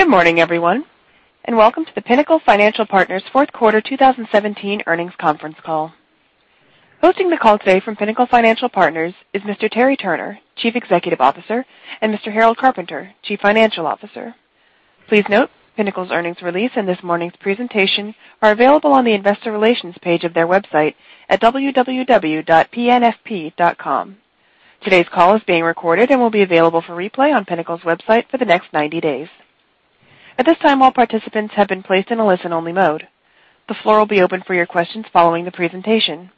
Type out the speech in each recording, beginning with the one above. Good morning, everyone, and welcome to the Pinnacle Financial Partners' fourth quarter 2017 earnings conference call. Hosting the call today from Pinnacle Financial Partners is Mr. Terry Turner, Chief Executive Officer, and Mr. Harold Carpenter, Chief Financial Officer. Please note, Pinnacle's earnings release and this morning's presentation are available on the investor relations page of their website at www.pnfp.com. Today's call is being recorded and will be available for replay on Pinnacle's website for the next 90 days. At this time, all participants have been placed in a listen-only mode. The floor will be open for your questions following the presentation.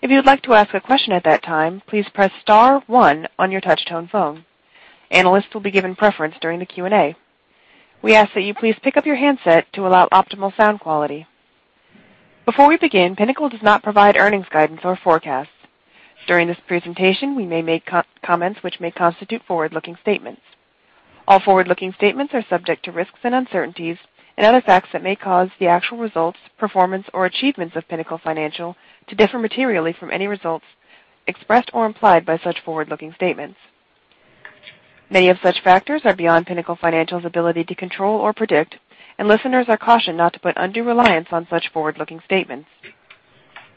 If you would like to ask a question at that time, please press star one on your touch-tone phone. Analysts will be given preference during the Q&A. We ask that you please pick up your handset to allow optimal sound quality. Before we begin, Pinnacle does not provide earnings guidance or forecasts. During this presentation, we may make comments which may constitute forward-looking statements. All forward-looking statements are subject to risks and uncertainties and other facts that may cause the actual results, performance, or achievements of Pinnacle Financial to differ materially from any results expressed or implied by such forward-looking statements. Many of such factors are beyond Pinnacle Financial's ability to control or predict, and listeners are cautioned not to put undue reliance on such forward-looking statements.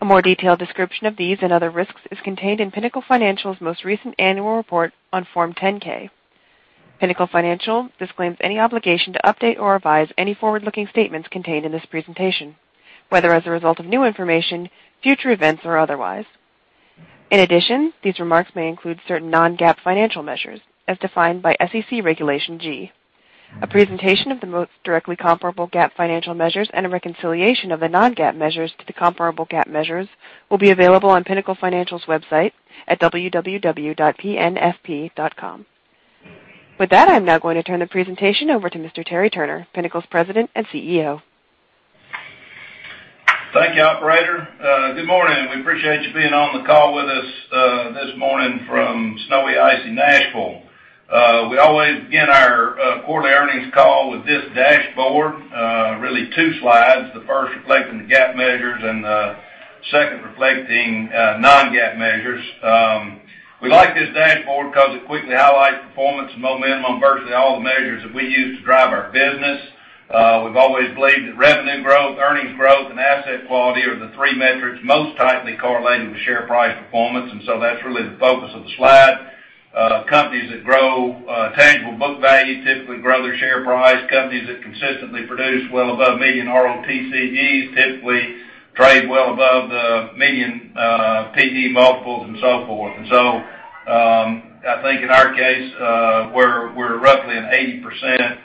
A more detailed description of these and other risks is contained in Pinnacle Financial's most recent annual report on Form 10-K. Pinnacle Financial disclaims any obligation to update or revise any forward-looking statements contained in this presentation, whether as a result of new information, future events, or otherwise. In addition, these remarks may include certain non-GAAP financial measures as defined by SEC Regulation G. A presentation of the most directly comparable GAAP financial measures and a reconciliation of the non-GAAP measures to the comparable GAAP measures will be available on Pinnacle Financial's website at www.pnfp.com. With that, I'm now going to turn the presentation over to Mr. Terry Turner, Pinnacle's President and CEO. Thank you, operator. Good morning. We appreciate you being on the call with us this morning from snowy, icy Nashville. We always begin our quarterly earnings call with this dashboard, really two slides, the first reflecting the GAAP measures and the second reflecting non-GAAP measures. We like this dashboard because it quickly highlights performance and momentum, virtually all the measures that we use to drive our business. We've always believed that revenue growth, earnings growth, and asset quality are the three metrics most tightly correlated with share price performance, and so that's really the focus of the slide. Companies that grow tangible book value typically grow their share price. Companies that consistently produce well above million ROTCEs typically trade well above the million PE multiples and so forth. I think in our case, we're roughly an 80%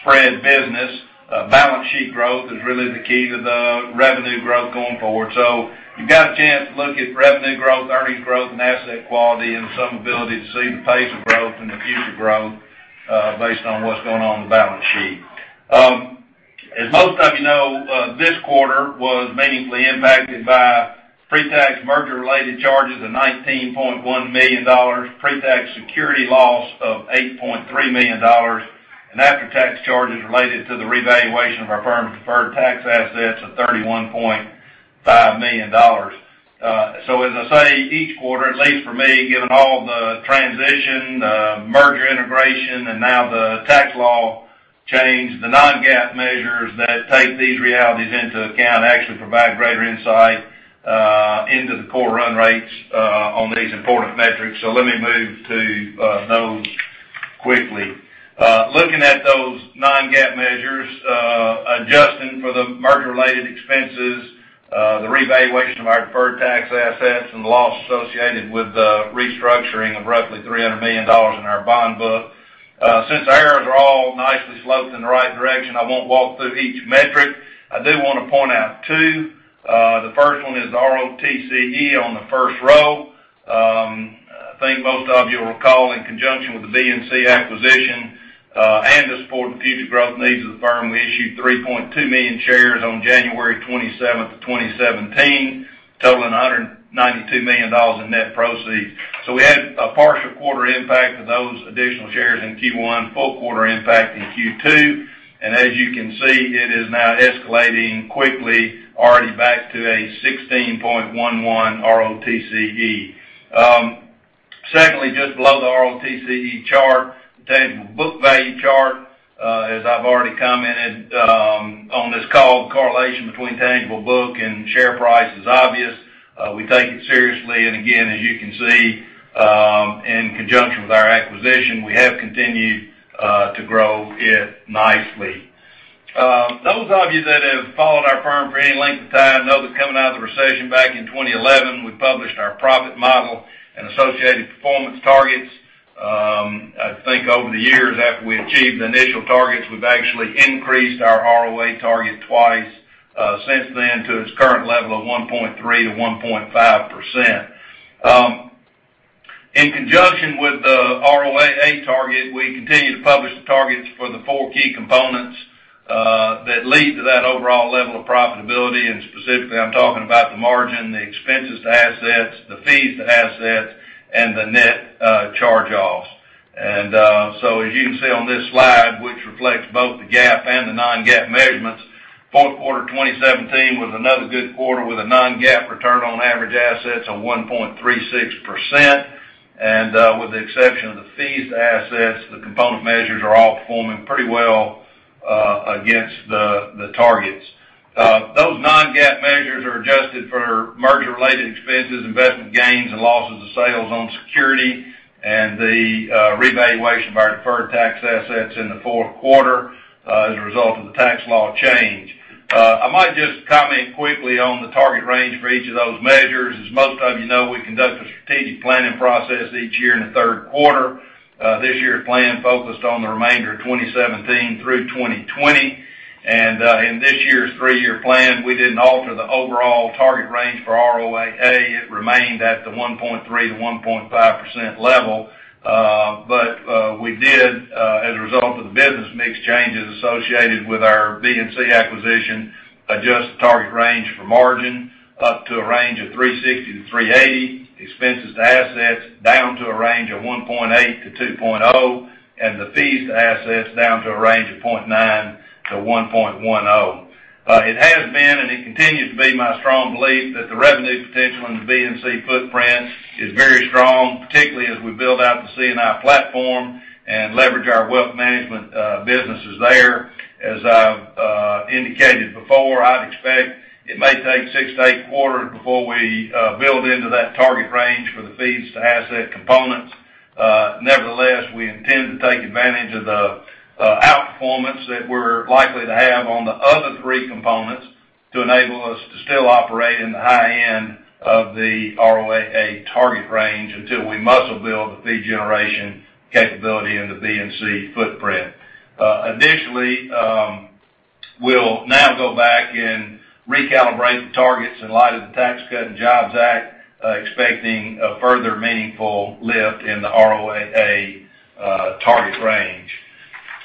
spread business. Balance sheet growth is really the key to the revenue growth going forward. You've got a chance to look at revenue growth, earnings growth, and asset quality, and some ability to see the pace of growth and the future growth, based on what's going on in the balance sheet. As most of you know, this quarter was meaningfully impacted by pre-tax merger related charges of $19.1 million, pre-tax security loss of $8.3 million, and after-tax charges related to the revaluation of our firm's deferred tax assets of $31.5 million. As I say, each quarter, at least for me, given all the transition, the merger integration, and now the tax law change, the non-GAAP measures that take these realities into account actually provide greater insight into the core run rates on these important metrics. Let me move to those quickly. Looking at those non-GAAP measures, adjusting for the merger related expenses, the revaluation of our deferred tax assets, and the loss associated with the restructuring of roughly $300 million in our bond book. Since the arrows are all nicely sloped in the right direction, I won't walk through each metric. I do want to point out two. The first one is ROTCE on the first row. I think most of you will recall, in conjunction with the BNC acquisition, and to support the future growth needs of the firm, we issued 3.2 million shares on 27 January 2017, totaling $192 million in net proceeds. We had a partial quarter impact of those additional shares in Q1, full quarter impact in Q2, and as you can see, it is now escalating quickly, already back to a 16.11 ROTCE. Secondly, just below the ROTCE chart, tangible book value chart, as I've already commented on this call, the correlation between tangible book and share price is obvious. We take it seriously, and again, as you can see, in conjunction with our acquisition, we have continued to grow it nicely. Those of you that have followed our firm for any length of time know that coming out of the recession back in 2011, we published our profit model and associated performance targets. I think over the years after we achieved the initial targets, we've actually increased our ROA target twice since then to its current level of 1.3%-1.5%. In conjunction with the ROAA target, we continue to publish the targets for the four key components that lead to that overall level of profitability, and specifically, I'm talking about the margin, the expenses to assets, the fees to assets, and the net charge-offs. As you can see on this slide, which reflects both the GAAP Fourth quarter 2017 was another good quarter with a non-GAAP return on average assets of 1.36%. With the exception of the fees to assets, the component measures are all performing pretty well against the targets. Those non-GAAP measures are adjusted for merger related expenses, investment gains and losses of sales on security, and the revaluation of our deferred tax assets in the fourth quarter, as a result of the tax law change. I might just comment quickly on the target range for each of those measures. As most of you know, we conduct a strategic planning process each year in the third quarter. This year's plan focused on the remainder of 2017 through 2020. In this year's three-year plan, we didn't alter the overall target range for ROAA. It remained at the 1.3%-1.5% level. We did, as a result of the business mix changes associated with our BNC acquisition, adjust the target range for margin up to a range of 360 to 380, expenses to assets down to a range of 1.8 to 2.0, and the fees to assets down to a range of 0.9 to 1.10. It has been, and it continues to be my strong belief that the revenue potential in the BNC footprint is very strong, particularly as we build out the C&I platform and leverage our wealth management businesses there. As I've indicated before, I'd expect it may take six to eight quarters before we build into that target range for the fees to asset components. Nevertheless, we intend to take advantage of the outperformance that we're likely to have on the other three components to enable us to still operate in the high end of the ROAA target range until we muscle build the fee generation capability in the BNC footprint. Additionally, we'll now go back and recalibrate the targets in light of the Tax Cuts and Jobs Act, expecting a further meaningful lift in the ROAA target range.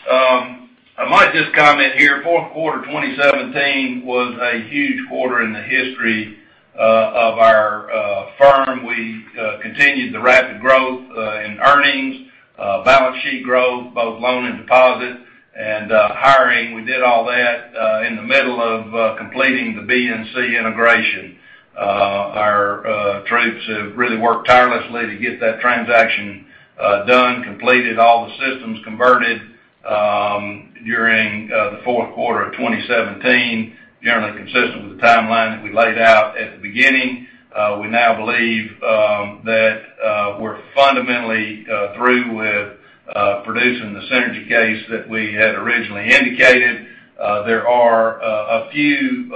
I might just comment here, fourth quarter 2017 was a huge quarter in the history of our firm. We continued the rapid growth in earnings, balance sheet growth, both loan and deposit, and hiring. We did all that in the middle of completing the BNC integration. Our troops have really worked tirelessly to get that transaction done, completed, all the systems converted, during the fourth quarter of 2017, generally consistent with the timeline that we laid out at the beginning. We now believe that we're fundamentally through with producing the synergy case that we had originally indicated. There are a few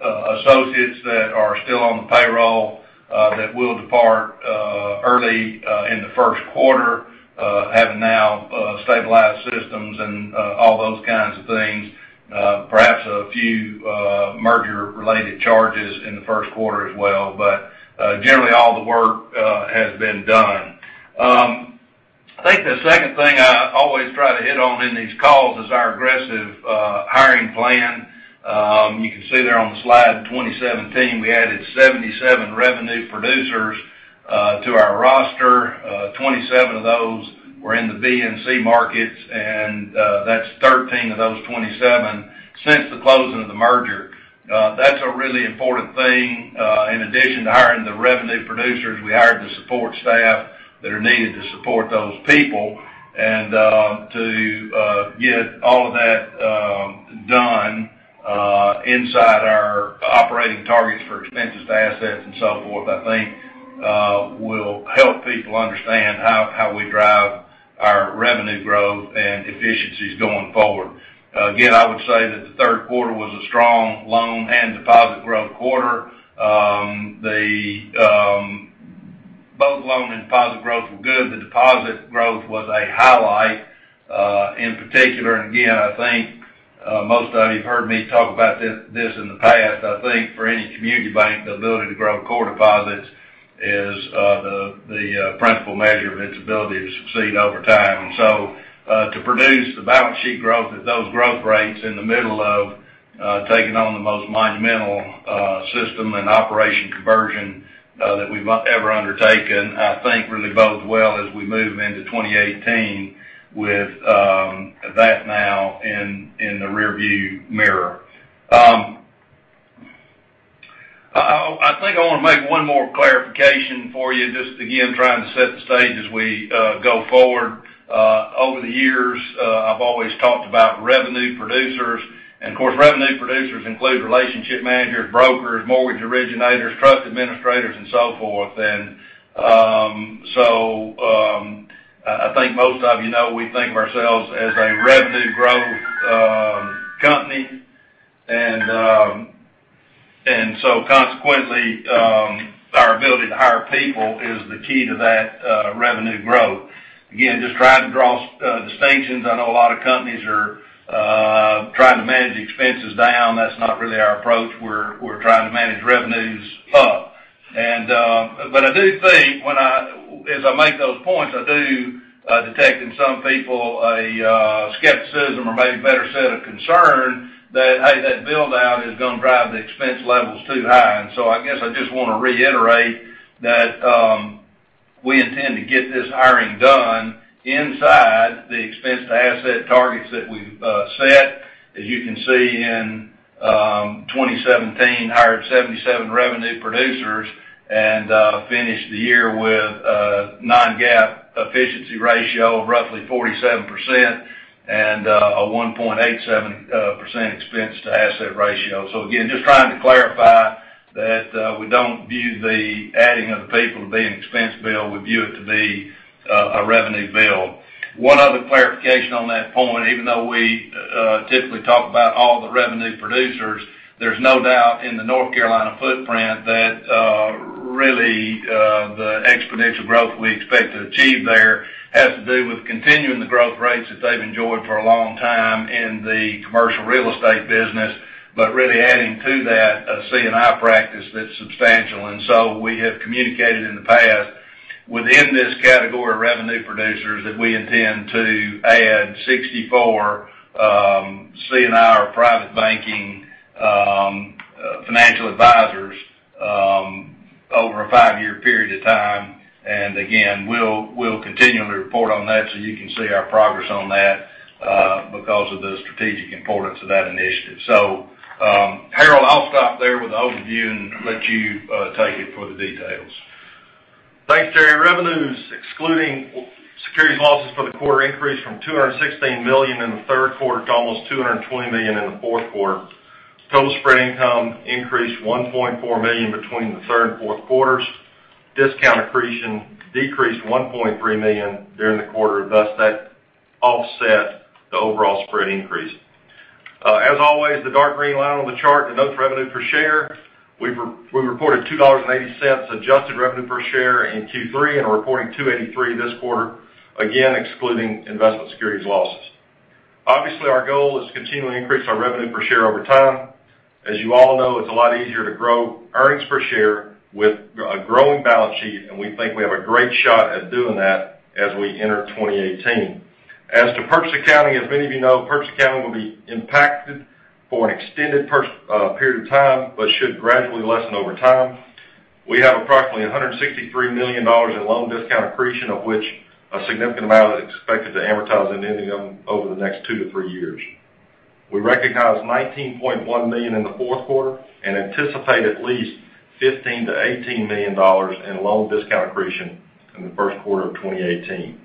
associates that are still on the payroll that will depart early in the first quarter, having now stabilized systems and all those kinds of things. Perhaps a few merger related charges in the first quarter as well, but generally all the work has been done. I think the second thing I always try to hit on in these calls is our aggressive hiring plan. You can see there on the slide, in 2017, we added 77 revenue producers to our roster. 27 of those were in the BNC markets, and that's 13 of those 27 since the closing of the merger. That's a really important thing. In addition to hiring the revenue producers, we hired the support staff that are needed to support those people and to get all of that done inside our operating targets for expenses to assets and so forth, I think, will help people understand how we drive our revenue growth and efficiencies going forward. Again, I would say that the third quarter was a strong loan and deposit growth quarter. Both loan and deposit growth were good. The deposit growth was a highlight, in particular. Again, I think most of you've heard me talk about this in the past. I think for any community bank, the ability to grow core deposits is the principal measure of its ability to succeed over time. To produce the balance sheet growth at those growth rates in the middle of taking on the most monumental system and operation conversion that we've ever undertaken, really bodes well as we move into 2018 with that now in the rear view mirror. I want to make one more clarification for you, just again, trying to set the stage as we go forward. Over the years, I've always talked about revenue producers, and of course, revenue producers include relationship managers, brokers, mortgage originators, trust administrators, and so forth. I think most of you know we think of ourselves as a revenue growth company. Consequently, our ability to hire people is the key to that revenue growth. Again, just trying to draw distinctions. I know a lot of companies are trying to manage expenses down. That's not really our approach. We're trying to manage revenues up. I do think as I make those points, I do detect in some people a skepticism or maybe better said, a concern that, hey, that build-out is going to drive the expense levels too high. I guess I just want to reiterate that we get this hiring done inside the expense to asset targets that we've set. As you can see in 2017, hired 77 revenue producers and finished the year with a non-GAAP efficiency ratio of roughly 47% and a 1.87% expense to asset ratio. Again, just trying to clarify that we don't view the adding of the people to be an expense bill. We view it to be a revenue build. One other clarification on that point, even though we typically talk about all the revenue producers, there's no doubt in the North Carolina footprint that really, the exponential growth we expect to achieve there has to do with continuing the growth rates that they've enjoyed for a long time in the commercial real estate business, but really adding to that a C&I practice that's substantial. We have communicated in the past within this category of revenue producers that we intend to add 64 C&I or private banking financial advisors over a five-year period of time. Again, we'll continue to report on that so you can see our progress on that because of the strategic importance of that initiative. Harold, I'll stop there with the overview and let you take it for the details. Thanks, Terry. Revenues excluding securities losses for the quarter increased from $216 million in the third quarter to almost $220 million in the fourth quarter. Total spread income increased $1.4 million between the third and fourth quarters. Discount accretion decreased $1.3 million during the quarter. Thus, that offset the overall spread increase. As always, the dark green line on the chart denotes revenue per share. We reported $2.80 adjusted revenue per share in Q3 and are reporting $2.83 this quarter, again, excluding investment securities losses. Obviously, our goal is to continually increase our revenue per share over time. As you all know, it's a lot easier to grow earnings per share with a growing balance sheet, and we think we have a great shot at doing that as we enter 2018. As to purchase accounting, as many of you know, purchase accounting will be impacted for an extended period of time but should gradually lessen over time. We have approximately $163 million in loan discount accretion, of which a significant amount is expected to amortize and ending over the next two to three years. We recognized $19.1 million in the fourth quarter and anticipate at least $15 million-$18 million in loan discount accretion in the first quarter of 2018.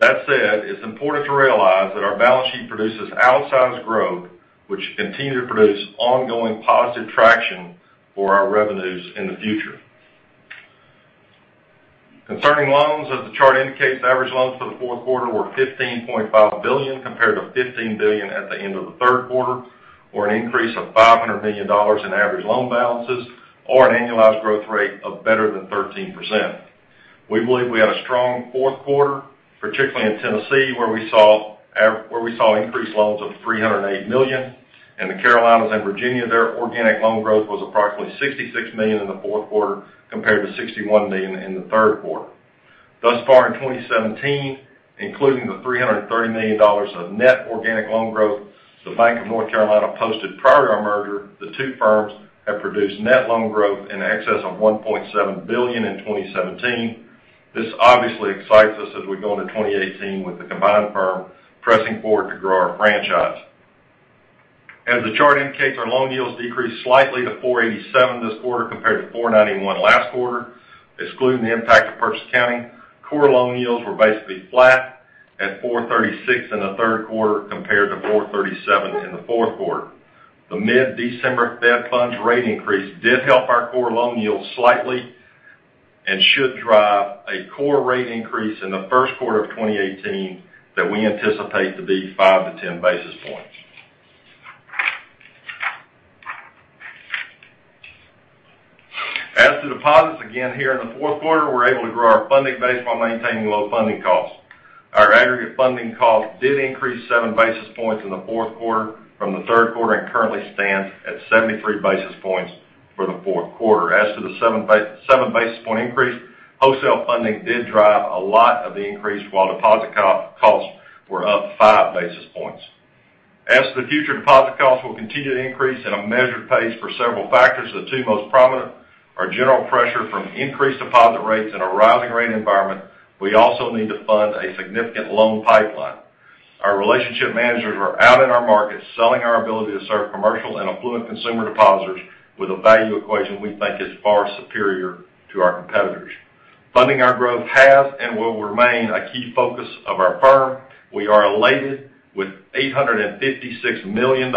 That said, it's important to realize that our balance sheet produces outsized growth, which continue to produce ongoing positive traction for our revenues in the future. Concerning loans, as the chart indicates, average loans for the fourth quarter were $15.5 billion, compared to $15 billion at the end of the third quarter, or an increase of $500 million in average loan balances, or an annualized growth rate of better than 13%. We believe we had a strong fourth quarter, particularly in Tennessee, where we saw increased loans of $308 million. In the Carolinas and Virginia, their organic loan growth was approximately $66 million in the fourth quarter compared to $61 million in the third quarter. Thus far in 2017, including the $330 million of net organic loan growth, the Bank of North Carolina posted prior to our merger, the two firms have produced net loan growth in excess of $1.7 billion in 2017. This obviously excites us as we go into 2018 with the combined firm pressing forward to grow our franchise. As the chart indicates, our loan yields decreased slightly to 487 this quarter compared to 491 last quarter. Excluding the impact of purchase accounting, core loan yields were basically flat at 436 in the third quarter compared to 437 in the fourth quarter. The mid-December Fed funds rate increase did help our core loan yield slightly and should drive a core rate increase in the first quarter of 2018 that we anticipate to be five to 10 basis points. As to deposits, again, here in the fourth quarter, we're able to grow our funding base while maintaining low funding costs. Our aggregate funding cost did increase seven basis points in the fourth quarter from the third quarter and currently stands at 73 basis points for the fourth quarter. As to the seven basis point increase, wholesale funding did drive a lot of the increase while deposit costs were up 5 basis points. As to the future, deposit costs will continue to increase at a measured pace for several factors. The two most prominent are general pressure from increased deposit rates in a rising rate environment. We also need to fund a significant loan pipeline. Our relationship managers are out in our markets selling our ability to serve commercial and affluent consumer depositors with a value equation we think is far superior to our competitors. Funding our growth has and will remain a key focus of our firm. We are elated with $856 million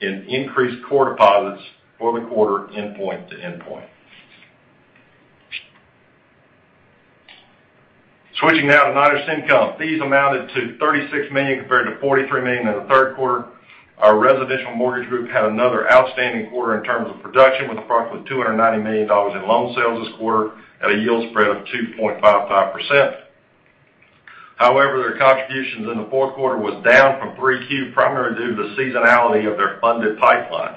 in increased core deposits for the quarter endpoint to endpoint. Switching now to non-interest income. These amounted to $36 million compared to $43 million in the third quarter. Our residential mortgage group had another outstanding quarter in terms of production with approximately $290 million in loan sales this quarter at a yield spread of 2.55%. However, their contributions in the fourth quarter was down from 3Q, primarily due to the seasonality of their funded pipeline.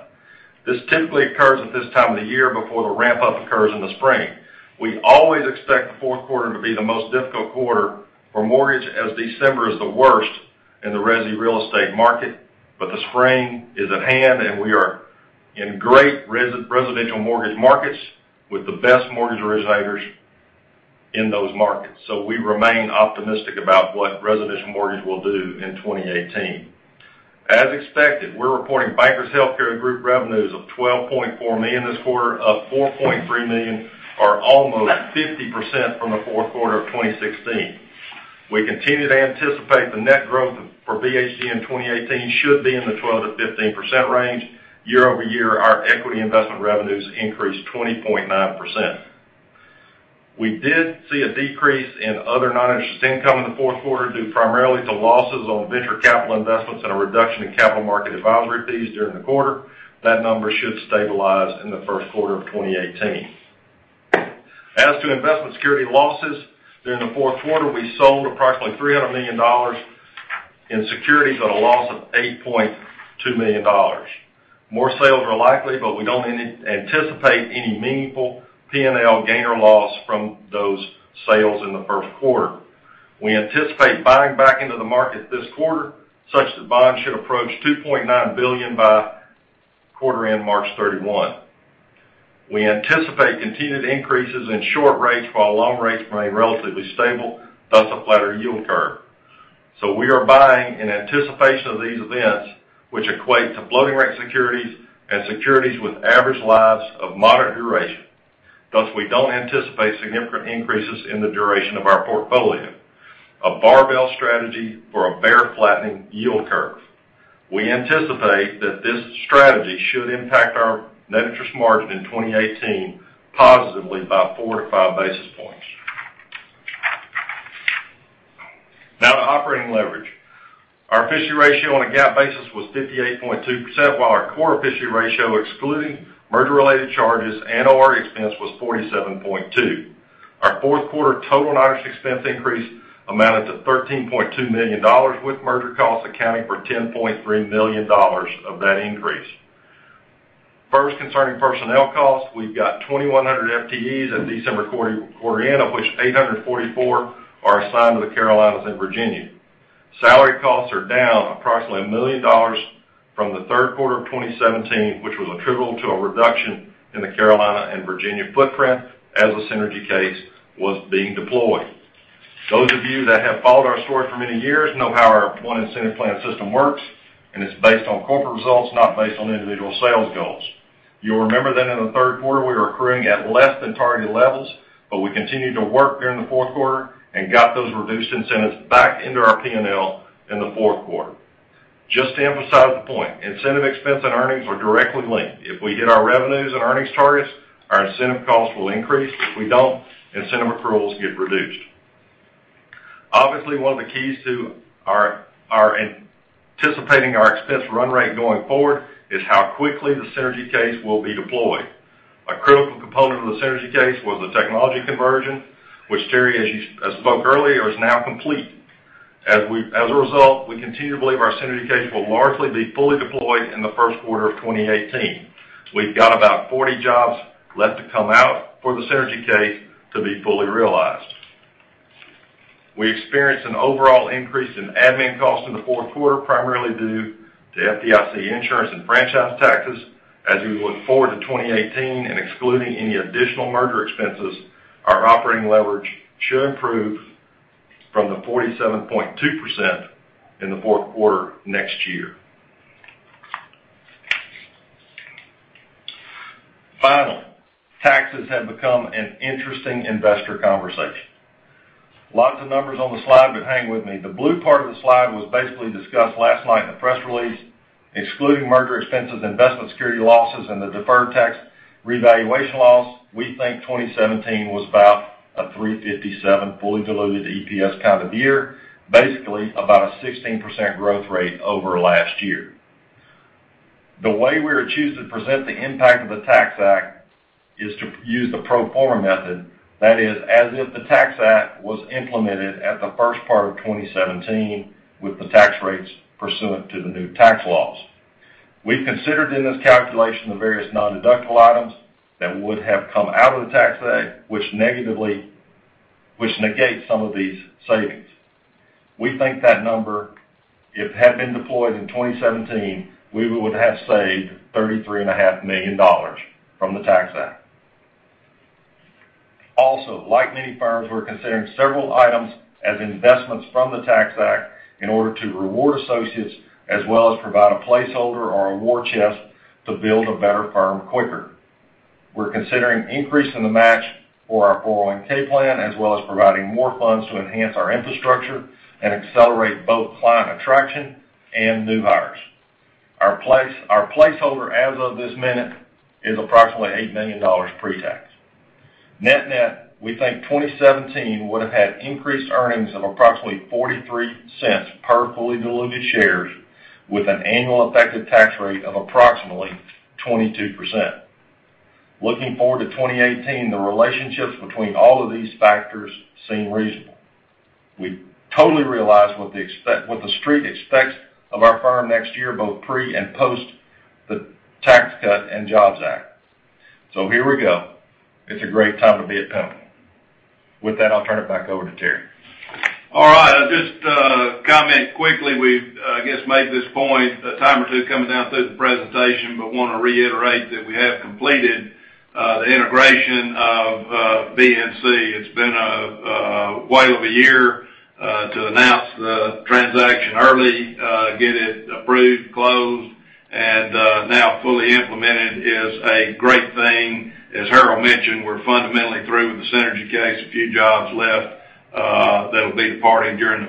This typically occurs at this time of the year before the ramp-up occurs in the spring. We always expect the fourth quarter to be the most difficult quarter for mortgage as December is the worst in the resi real estate market. The spring is at hand, and we are in great residential mortgage markets with the best mortgage originators in those markets. We remain optimistic about what residential mortgage will do in 2018. As expected, we're reporting Bankers Healthcare Group revenues of $12.4 million this quarter, up $4.3 million or almost 50% from the fourth quarter of 2016. We continue to anticipate the net growth for BHG in 2018 should be in the 12%-15% range. Year-over-year, our equity investment revenues increased 20.9%. We did see a decrease in other non-interest income in the fourth quarter due primarily to losses on venture capital investments and a reduction in capital market advisory fees during the quarter. That number should stabilize in the first quarter of 2018. As to investment security losses, during the fourth quarter, we sold approximately $300 million in securities at a loss of $8.2 million. More sales are likely, but we don't anticipate any meaningful P&L gain or loss from those sales in the first quarter. We anticipate buying back into the market this quarter, such that bonds should approach $2.9 billion by quarter end, March 31. We anticipate continued increases in short rates while long rates remain relatively stable, thus a flatter yield curve. We are buying in anticipation of these events, which equate to floating-rate securities and securities with average lives of moderate duration. Thus, we don't anticipate significant increases in the duration of our portfolio. A barbell strategy for a bear flattening yield curve. We anticipate that this strategy should impact our net interest margin in 2018 positively by four to five basis points. Now to operating leverage. Our efficiency ratio on a GAAP basis was 58.2%, while our core efficiency ratio, excluding merger-related charges and ORE expense, was 47.2%. Our fourth quarter total non-interest expense increase amounted to $13.2 million, with merger costs accounting for $10.3 million of that increase. First, concerning personnel costs, we've got 2,100 FTEs at December quarter end, of which 844 are assigned to the Carolinas and Virginia. Salary costs are down approximately $1 million from the third quarter of 2017, which was attributable to a reduction in the Carolina and Virginia footprint as the synergy case was being deployed. Those of you that have followed our story for many years know how our one incentive plan system works. It's based on corporate results, not based on individual sales goals. You'll remember then in the third quarter, we were accruing at less than targeted levels. We continued to work during the fourth quarter and got those reduced incentives back into our P&L in the fourth quarter. Just to emphasize the point, incentive expense and earnings are directly linked. If we hit our revenues and earnings targets, our incentive costs will increase. If we don't, incentive accruals get reduced. Obviously, one of the keys to anticipating our expense run rate going forward is how quickly the synergy case will be deployed. A critical component of the synergy case was the technology conversion, which Terry, as you spoke earlier, is now complete. As a result, we continue to believe our synergy case will largely be fully deployed in the first quarter of 2018. We've got about 40 jobs left to come out for the synergy case to be fully realized. We experienced an overall increase in admin costs in the fourth quarter, primarily due to FDIC insurance and franchise taxes. As we look forward to 2018 and excluding any additional merger expenses, our operating leverage should improve from the 47.2% in the fourth quarter next year. Finally, taxes have become an interesting investor conversation. Lots of numbers on the slide. Hang with me. The blue part of the slide was basically discussed last night in the press release. Excluding merger expenses, investment security losses, and the deferred tax revaluation loss, we think 2017 was about a $3.57 fully diluted EPS kind of year, basically about a 16% growth rate over last year. The way we choose to present the impact of the Tax Act is to use the pro forma method, that is, as if the Tax Act was implemented at the first part of 2017 with the tax rates pursuant to the new tax laws. We've considered in this calculation the various non-deductible items that would have come out of the Tax Act, which negate some of these savings. We think that number, if it had been deployed in 2017, we would have saved $33.5 million from the Tax Act. Also, like many firms, we're considering several items as investments from the Tax Act in order to reward associates as well as provide a placeholder or award chest to build a better firm quicker. We're considering increasing the match for our 401 plan, as well as providing more funds to enhance our infrastructure and accelerate both client attraction and new hires. Our placeholder as of this minute is approximately $8 million pre-tax. Net net, we think 2017 would have had increased earnings of approximately $0.43 per fully diluted shares with an annual effective tax rate of approximately 22%. Looking forward to 2018, the relationships between all of these factors seem reasonable. We totally realize what the Street expects of our firm next year, both pre and post the Tax Cuts and Jobs Act. Here we go. It's a great time to be at Pinnacle. With that, I'll turn it back over to Terry. All right. I'll just comment quickly. We've, I guess, made this point a time or two coming down through the presentation, but want to reiterate that we have completed the integration of BNC. It's been a while of a year to announce the transaction early, get it approved, closed, and now fully implemented is a great thing. As Harold mentioned, we're fundamentally through with the synergy case, a few jobs left that'll be departing during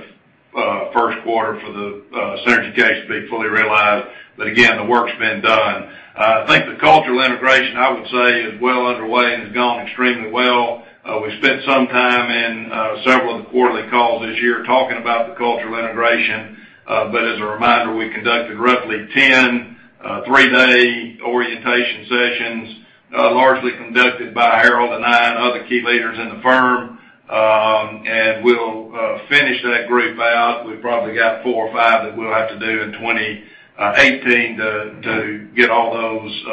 the first quarter for the synergy case to be fully realized. Again, the work's been done. I think the cultural integration, I would say, is well underway and has gone extremely well. We spent some time in several of the quarterly calls this year talking about the cultural integration. As a reminder, we conducted roughly 10 three-day orientation sessions, largely conducted by Harold and I and other key leaders in the firm. We'll finish that group out. We've probably got four or five that we'll have to do in 2018 to get all those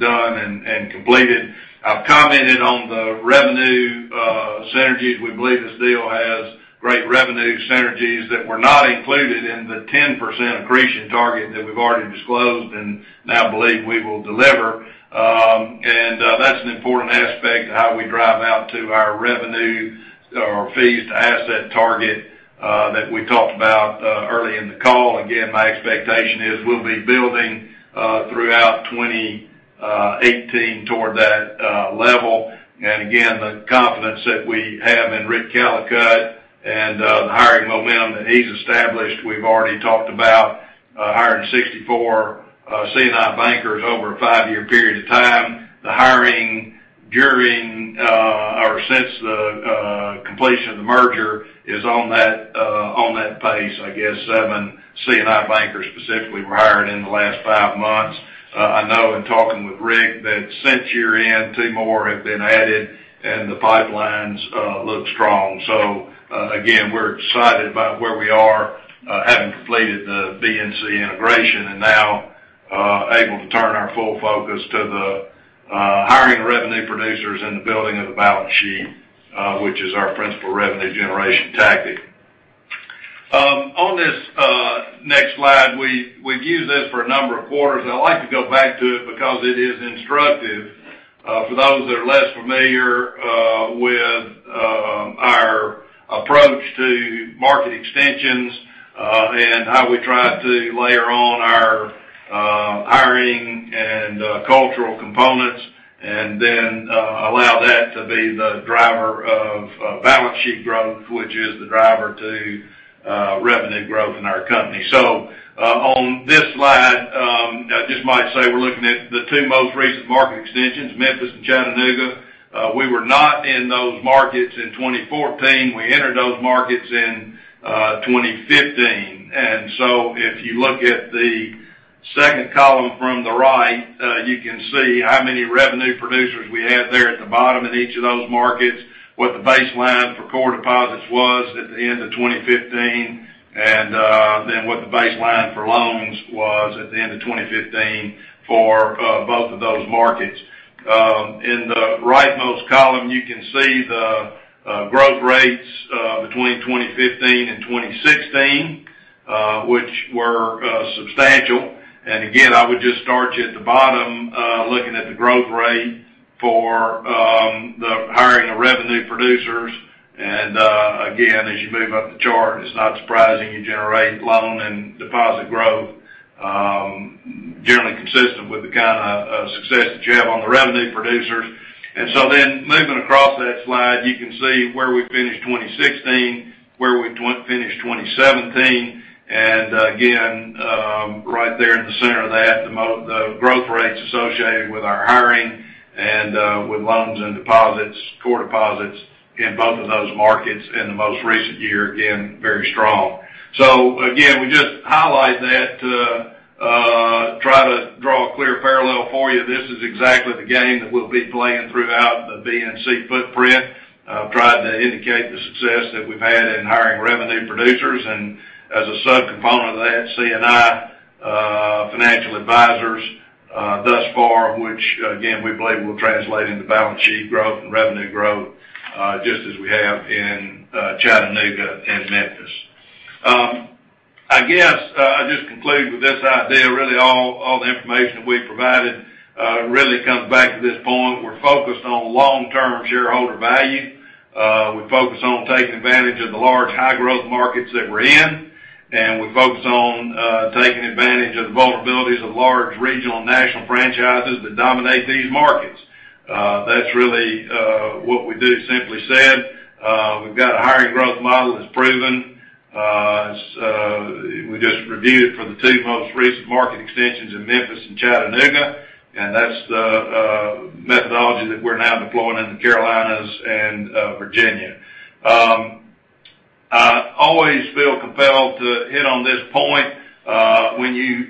done and completed. I've commented on the revenue synergies. We believe this deal has great revenue synergies that were not included in the 10% accretion target that we've already disclosed and now believe we will deliver. That's an important aspect of how we drive out to our revenue, our fees to asset target that we talked about early in the call. Again, my expectation is we'll be building throughout 2018 toward that level. Again, the confidence that we have in Rick Callicutt and the hiring momentum that he's established, we've already talked about hiring 64 C&I bankers over a five-year period of time. The hiring during, or since the completion of the merger is on that pace, I guess seven C&I bankers specifically were hired in the last five months. I know in talking with Rick that since year-end, two more have been added, and the pipelines look strong. Again, we're excited about where we are, having completed the BNC integration and now able to turn our full focus to the hiring revenue producers and the building of the balance sheet, which is our principal revenue generation tactic. On this next slide, we've used this for a number of quarters, and I'd like to go back to it because it is instructive for those that are less familiar with our approach to market extensions and how we try to layer on our hiring and cultural components, and then allow that to be the driver of balance sheet growth, which is the driver to revenue growth in our company. On this slide, I just might say we're looking at the two most recent market extensions, Memphis and Chattanooga. We were not in those markets in 2014. We entered those markets in 2015. If you look at the second column from the right, you can see how many revenue producers we had there at the bottom in each of those markets, what the baseline for core deposits was at the end of 2015, what the baseline for loans was at the end of 2015 for both of those markets. In the rightmost column, you can see the growth rates between 2015 and 2016, which were substantial. Again, I would just start you at the bottom, looking at the growth rate for the hiring of revenue producers. Again, as you move up the chart, it's not surprising you generate loan and deposit growth generally consistent with the kind of success that you have on the revenue producers. Moving across that slide, you can see where we finished 2016, where we finished 2017, and again, right there in the center of that, the growth rates associated with our hiring and with loans and deposits, core deposits in both of those markets in the most recent year, again, very strong. Again, we just highlight that to try to draw a clear parallel for you. This is exactly the game that we'll be playing throughout the BNC footprint, trying to indicate the success that we've had in hiring revenue producers, and as a subcomponent of that, C&I financial advisors thus far, which again, we believe will translate into balance sheet growth and revenue growth, just as we have in Chattanooga and Memphis. I guess I'll just conclude with this idea. Really, all the information that we've provided really comes back to this point. We're focused on long-term shareholder value. We focus on taking advantage of the large high-growth markets that we're in, and we focus on taking advantage of the vulnerabilities of large regional and national franchises that dominate these markets. That's really what we do, simply said. We've got a hiring growth model that's proven. We just reviewed it for the two most recent market extensions in Memphis and Chattanooga, and that's the methodology that we're now deploying in the Carolinas and Virginia. I always feel compelled to hit on this point. When you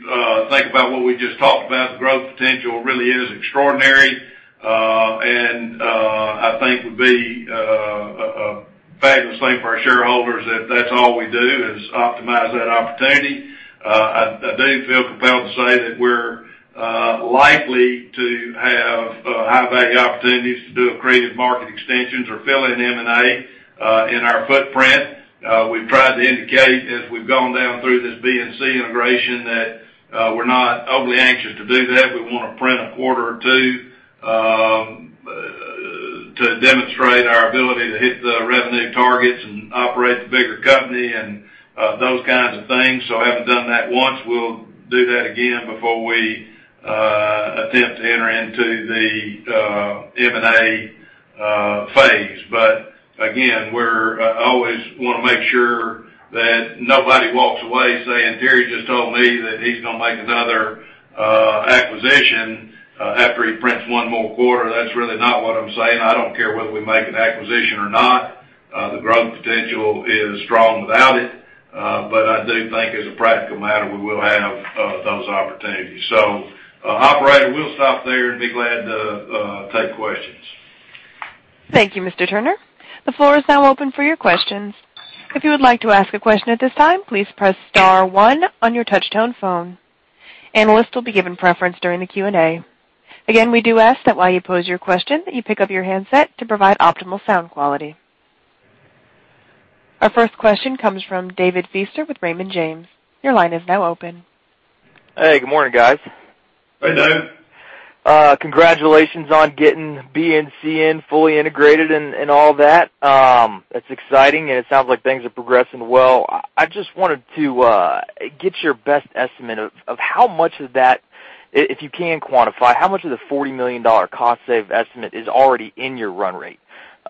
think about what we just talked about, the growth potential really is extraordinary. I think it would be a fabulous thing for our shareholders if that's all we do is optimize that opportunity. I do feel compelled to say that we're likely to have high-bank opportunities to do accretive market extensions or fill in M&A in our footprint. We've tried to indicate, as we've gone down through this BNC integration, that we're not overly anxious to do that. We want to print a quarter or two to demonstrate our ability to hit the revenue targets and operate the bigger company and those kinds of things. Having done that once, we'll do that again before we attempt to enter into the M&A phase. Again, I always want to make sure that nobody walks away saying, "Terry just told me that he's going to make another acquisition after he prints one more quarter." That's really not what I'm saying. I don't care whether we make an acquisition or not. The growth potential is strong without it. I do think as a practical matter, we will have those opportunities. Operator, we'll stop there and be glad to take questions. Thank you, Mr. Turner. The floor is now open for your questions. If you would like to ask a question at this time, please press *1 on your touch-tone phone. Analysts will be given preference during the Q&A. Again, we do ask that while you pose your question, that you pick up your handset to provide optimal sound quality. Our first question comes from David Feaster with Raymond James. Your line is now open. Hey, good morning, guys. Hey, Dave. Congratulations on getting BNC in, fully integrated and all that. It's exciting, and it sounds like things are progressing well. I just wanted to get your best estimate of how much of that, if you can quantify, how much of the $40 million cost save estimate is already in your run rate?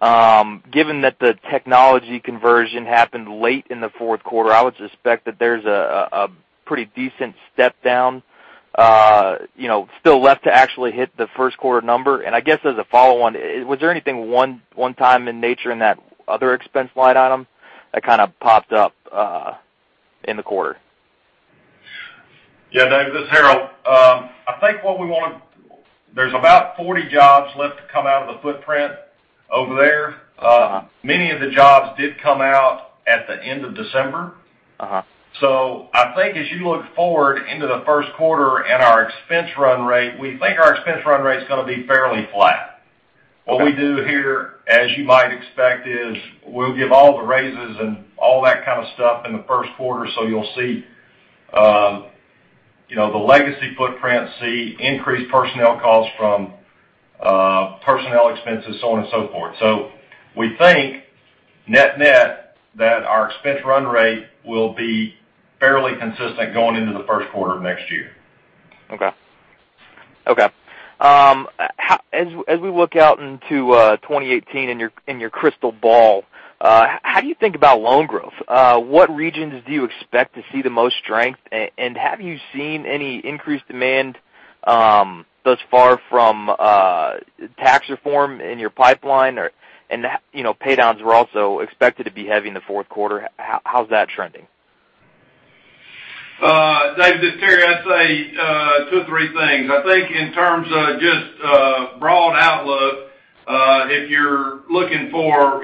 Given that the technology conversion happened late in the fourth quarter, I would suspect that there's a pretty decent step down still left to actually hit the first quarter number. I guess as a follow-on, was there anything one time in nature in that other expense line item that kind of popped up in the quarter? Yeah, Dave, this is Harold. There's about 40 jobs left to come out of the footprint over there. Many of the jobs did come out at the end of December. I think as you look forward into the first quarter at our expense run rate, we think our expense run rate's going to be fairly flat. What we do here, as you might expect, is we'll give all the raises and all that kind of stuff in the first quarter. You'll see the legacy footprint see increased personnel costs from personnel expenses, so on and so forth. We think net net, that our expense run rate will be fairly consistent going into the first quarter of next year. Okay. As we look out into 2018 in your crystal ball, how do you think about loan growth? What regions do you expect to see the most strength, have you seen any increased demand thus far from tax reform in your pipeline? Pay downs were also expected to be heavy in the fourth quarter. How's that trending? David, this is Terry. I'd say two or three things. I think in terms of just broad outlook, if you're looking for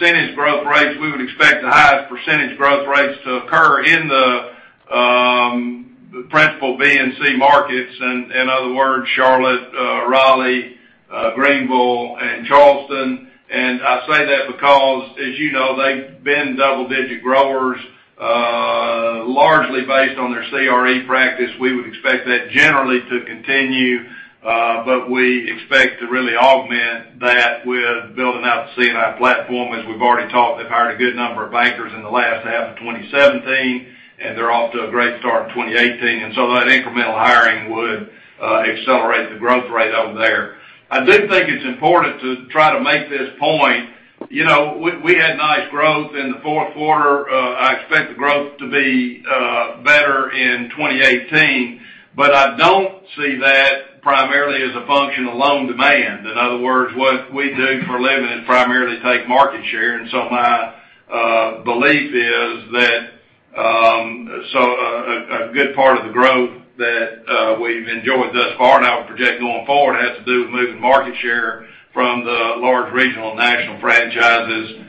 % growth rates, we would expect the highest % growth rates to occur in the principal BNC markets. In other words, Charlotte, Raleigh, Greenville, and Charleston. I say that because, as you know, they've been double-digit growers, largely based on their CRE practice. We would expect that generally to continue, we expect to really augment that with building out the C&I platform, as we've already talked. They've hired a good number of bankers in the last half of 2017, they're off to a great start in 2018. That incremental hiring would accelerate the growth rate over there. I do think it's important to try to make this point. We had nice growth in the fourth quarter. I expect the growth to be better in 2018, I don't see that primarily as a function of loan demand. In other words, what we do for a living is primarily take market share. My belief is that a good part of the growth that we've enjoyed thus far and I would project going forward, has to do with moving market share from the large regional and national franchises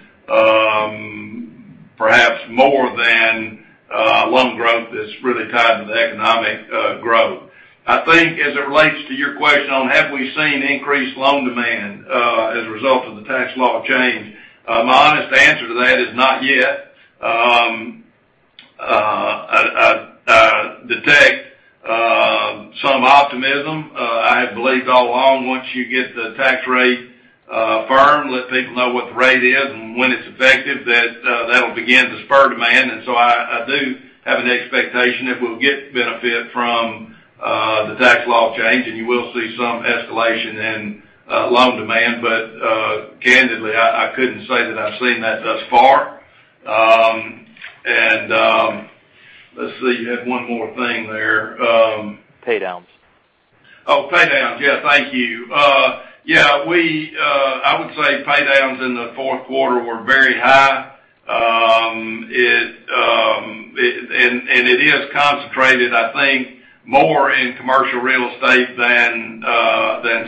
perhaps more than loan growth that's really tied to the economic growth. I think as it relates to your question on have we seen increased loan demand as a result of the tax law change, my honest answer to that is not yet. I detect some optimism. I have believed all along, once you get the tax rate firm, let people know what the rate is and when it's effective, that'll begin to spur demand. I do have an expectation that we'll get benefit from the tax law change, and you will see some escalation in loan demand. Candidly, I couldn't say that I've seen that thus far. Let's see, you had one more thing there. Pay downs. Oh, pay downs. Yeah, thank you. Yeah, I would say pay downs in the fourth quarter were very high. It is concentrated, I think, more in commercial real estate than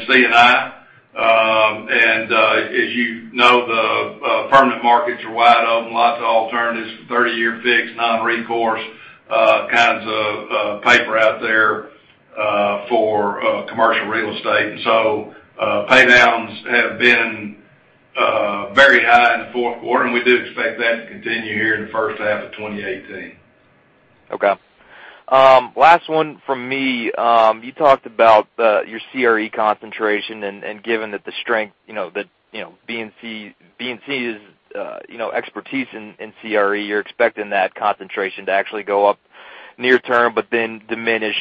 C&I and as you know, the permanent market are wide open, lots of alternatives, 30-year fixed, non-recourse kinds of paper out there for commercial real estate. So pay downs have been very high in the fourth quarter, and we do expect that to continue here in the first half of 2018. Okay. Last one from me. You talked about your CRE concentration, and given that the strength, that BNC's expertise in CRE, you're expecting that concentration to actually go up near term, then diminish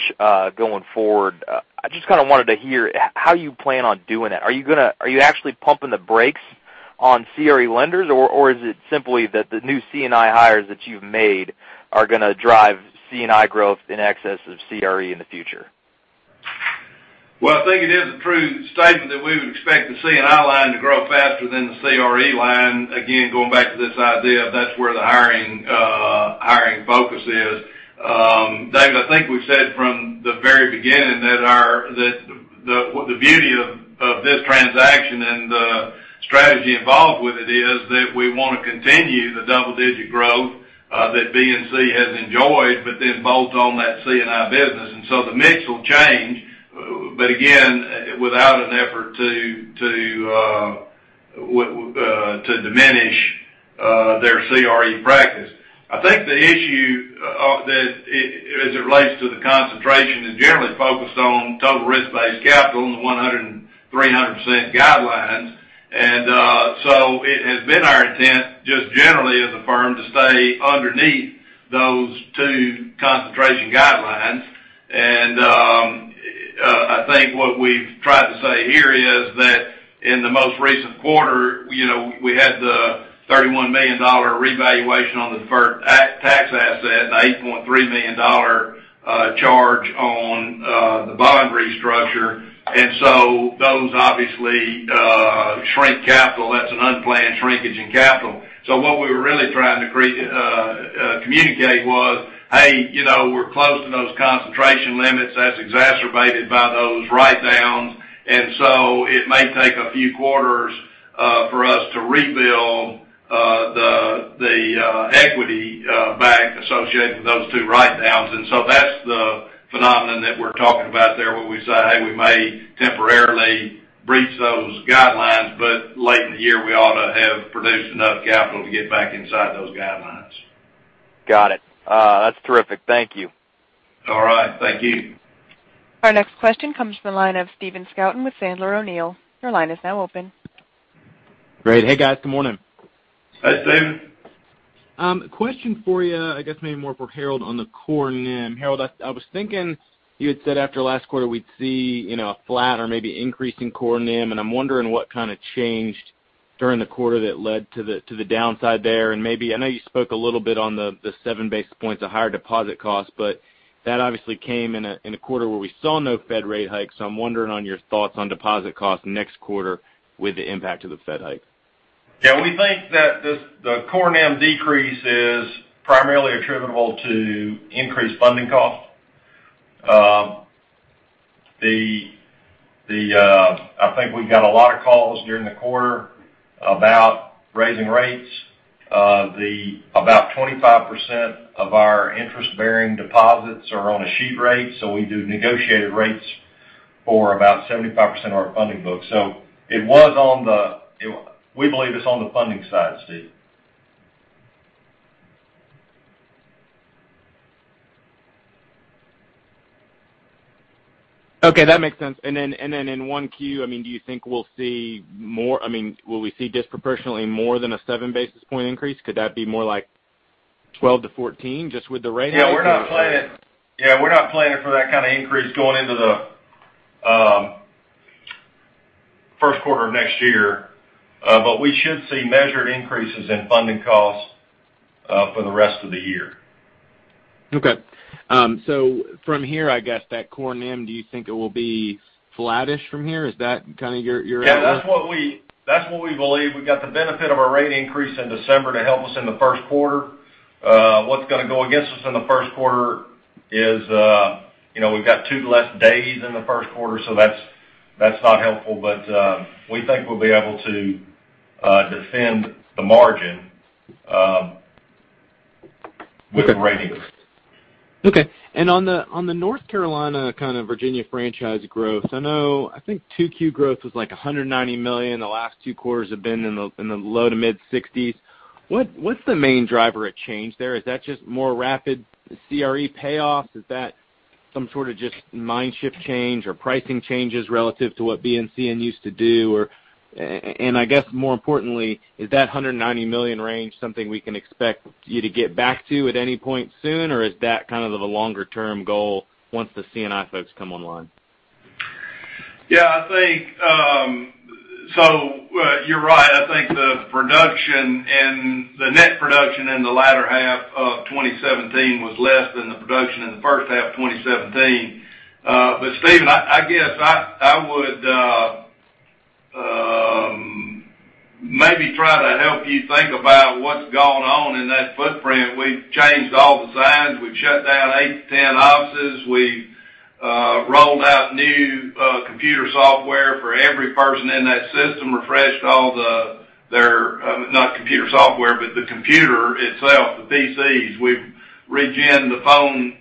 going forward. I just kind of wanted to hear how you plan on doing that. Are you actually pumping the brakes on CRE lenders, or is it simply that the new C&I hires that you've made are going to drive C&I growth in excess of CRE in the future? Well, I think it is a true statement that we would expect the C&I line to grow faster than the CRE line. Again, going back to this idea of that's where the hiring focus is. David, I think we've said from the very beginning that the beauty of this transaction and the strategy involved with it is that we want to continue the double-digit growth that BNC has enjoyed, then bolt on that C&I business. So the mix will change, again, without an effort to diminish their CRE practice. I think the issue as it relates to the concentration is generally focused on total risk-based capital in the 100% and 300% guidelines. So it has been our intent, just generally as a firm, to stay underneath those two concentration guidelines. I think what we've tried to say here is that in the most recent quarter, we had the $31 million revaluation on the deferred tax asset, the $8.3 million charge on the bond restructure. Those obviously shrink capital. That's an unplanned shrinkage in capital. What we were really trying to communicate was, hey, we're close to those concentration limits that's exacerbated by those write-downs. It may take a few quarters for us to rebuild the equity back associated with those two write-downs. That's the phenomenon that we're talking about there, where we say, hey, we may temporarily breach those guidelines, but late in the year, we ought to have produced enough capital to get back inside those guidelines. Got it. That's terrific. Thank you. All right. Thank you. Our next question comes from the line of Stephen Scouten with Sandler O'Neill. Your line is now open. Great. Hey, guys. Good morning. Hey, Stephen. Question for you, I guess maybe more for Harold on the core NIM. Harold, I was thinking you had said after last quarter we'd see a flat or maybe increase in core NIM. I'm wondering what kind of changed during the quarter that led to the downside there. I know you spoke a little bit on the seven basis points of higher deposit costs, but that obviously came in a quarter where we saw no Fed rate hike. I'm wondering on your thoughts on deposit costs next quarter with the impact of the Fed hike. Yeah, we think that the core NIM decrease is primarily attributable to increased funding costs. I think we got a lot of calls during the quarter about raising rates. About 25% of our interest-bearing deposits are on a sheet rate, we do negotiated rates for about 75% of our funding book. We believe it's on the funding side, Steve. Okay, that makes sense. In one Q, do you think we'll see disproportionally more than a seven basis point increase? Could that be more like 12 to 14 just with the rate increase? Yeah, we're not planning for that kind of increase going into the first quarter of next year. We should see measured increases in funding costs for the rest of the year. Okay. From here, I guess that core NIM, do you think it will be flattish from here? Is that kind of your area? Yeah, that's what we believe. We've got the benefit of a rate increase in December to help us in the first quarter. What's going to go against us in the first quarter is we've got two less days in the first quarter, that's not helpful. We think we'll be able to defend the margin with the rate increase. On the North Carolina kind of Virginia franchise growth, I think 2Q growth was like $190 million. The last 2 quarters have been in the low to mid-60s. What's the main driver of change there? Is that just more rapid CRE payoffs? Is that some sort of just mind shift change or pricing changes relative to what BNC used to do? I guess more importantly, is that $190 million range something we can expect you to get back to at any point soon, or is that kind of the longer-term goal once the C&I folks come online? Yeah, you're right. I think the net production in the latter half of 2017 was less than the production in the first half of 2017. Stephen, I guess I would maybe try to help you think about what's gone on in that footprint. We've changed all the signs. We rolled out new computer software for every person in that system, refreshed all the, not computer software, but the computer itself, the PCs. We've regen-ed the phone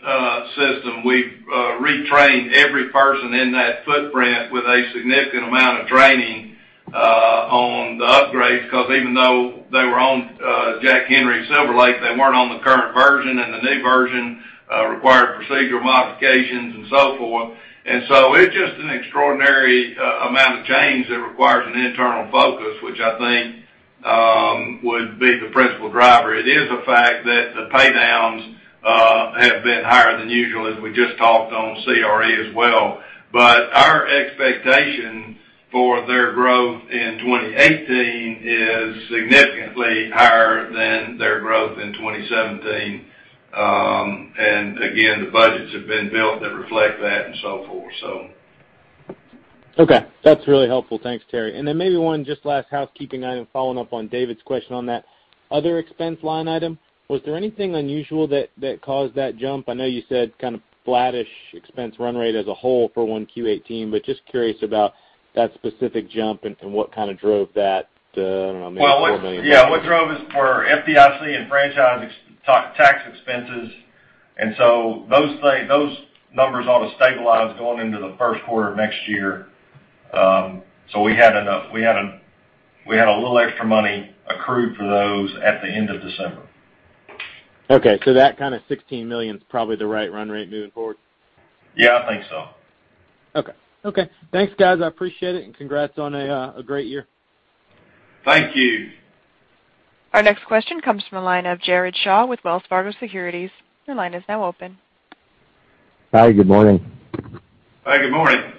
system. We've retrained every person in that footprint with a significant amount of training on the upgrades, because even though they were on Jack Henry SilverLake, they weren't on the current version, and the new version required procedure modifications and so forth. It's just an extraordinary amount of change that requires an internal focus, which I think would be the principal driver. It is a fact that the paydowns have been higher than usual, as we just talked on CRE as well. Our expectation for their growth in 2018 is significantly higher than their growth in 2017. Again, the budgets have been built that reflect that and so forth. Okay. That's really helpful. Thanks, Terry. Maybe one just last housekeeping item, following up on David's question on that other expense line item. Was there anything unusual that caused that jump? I know you said kind of flattish expense run rate as a whole for 1Q 2018, but just curious about that specific jump and what drove that, I don't know, maybe $4 million. Yeah. What drove is for FDIC and franchise tax expenses, those numbers ought to stabilize going into the first quarter of next year. We had a little extra money accrued for those at the end of December. Okay, thac t kind of $16 million is probably the right run rate moving forward. Yeah, I think so. Okay. Thanks, guys. I appreciate it, congrats on a great year. Thank you. Our next question comes from the line of Jared Shaw with Wells Fargo Securities. Your line is now open. Hi, good morning. Hi, good morning.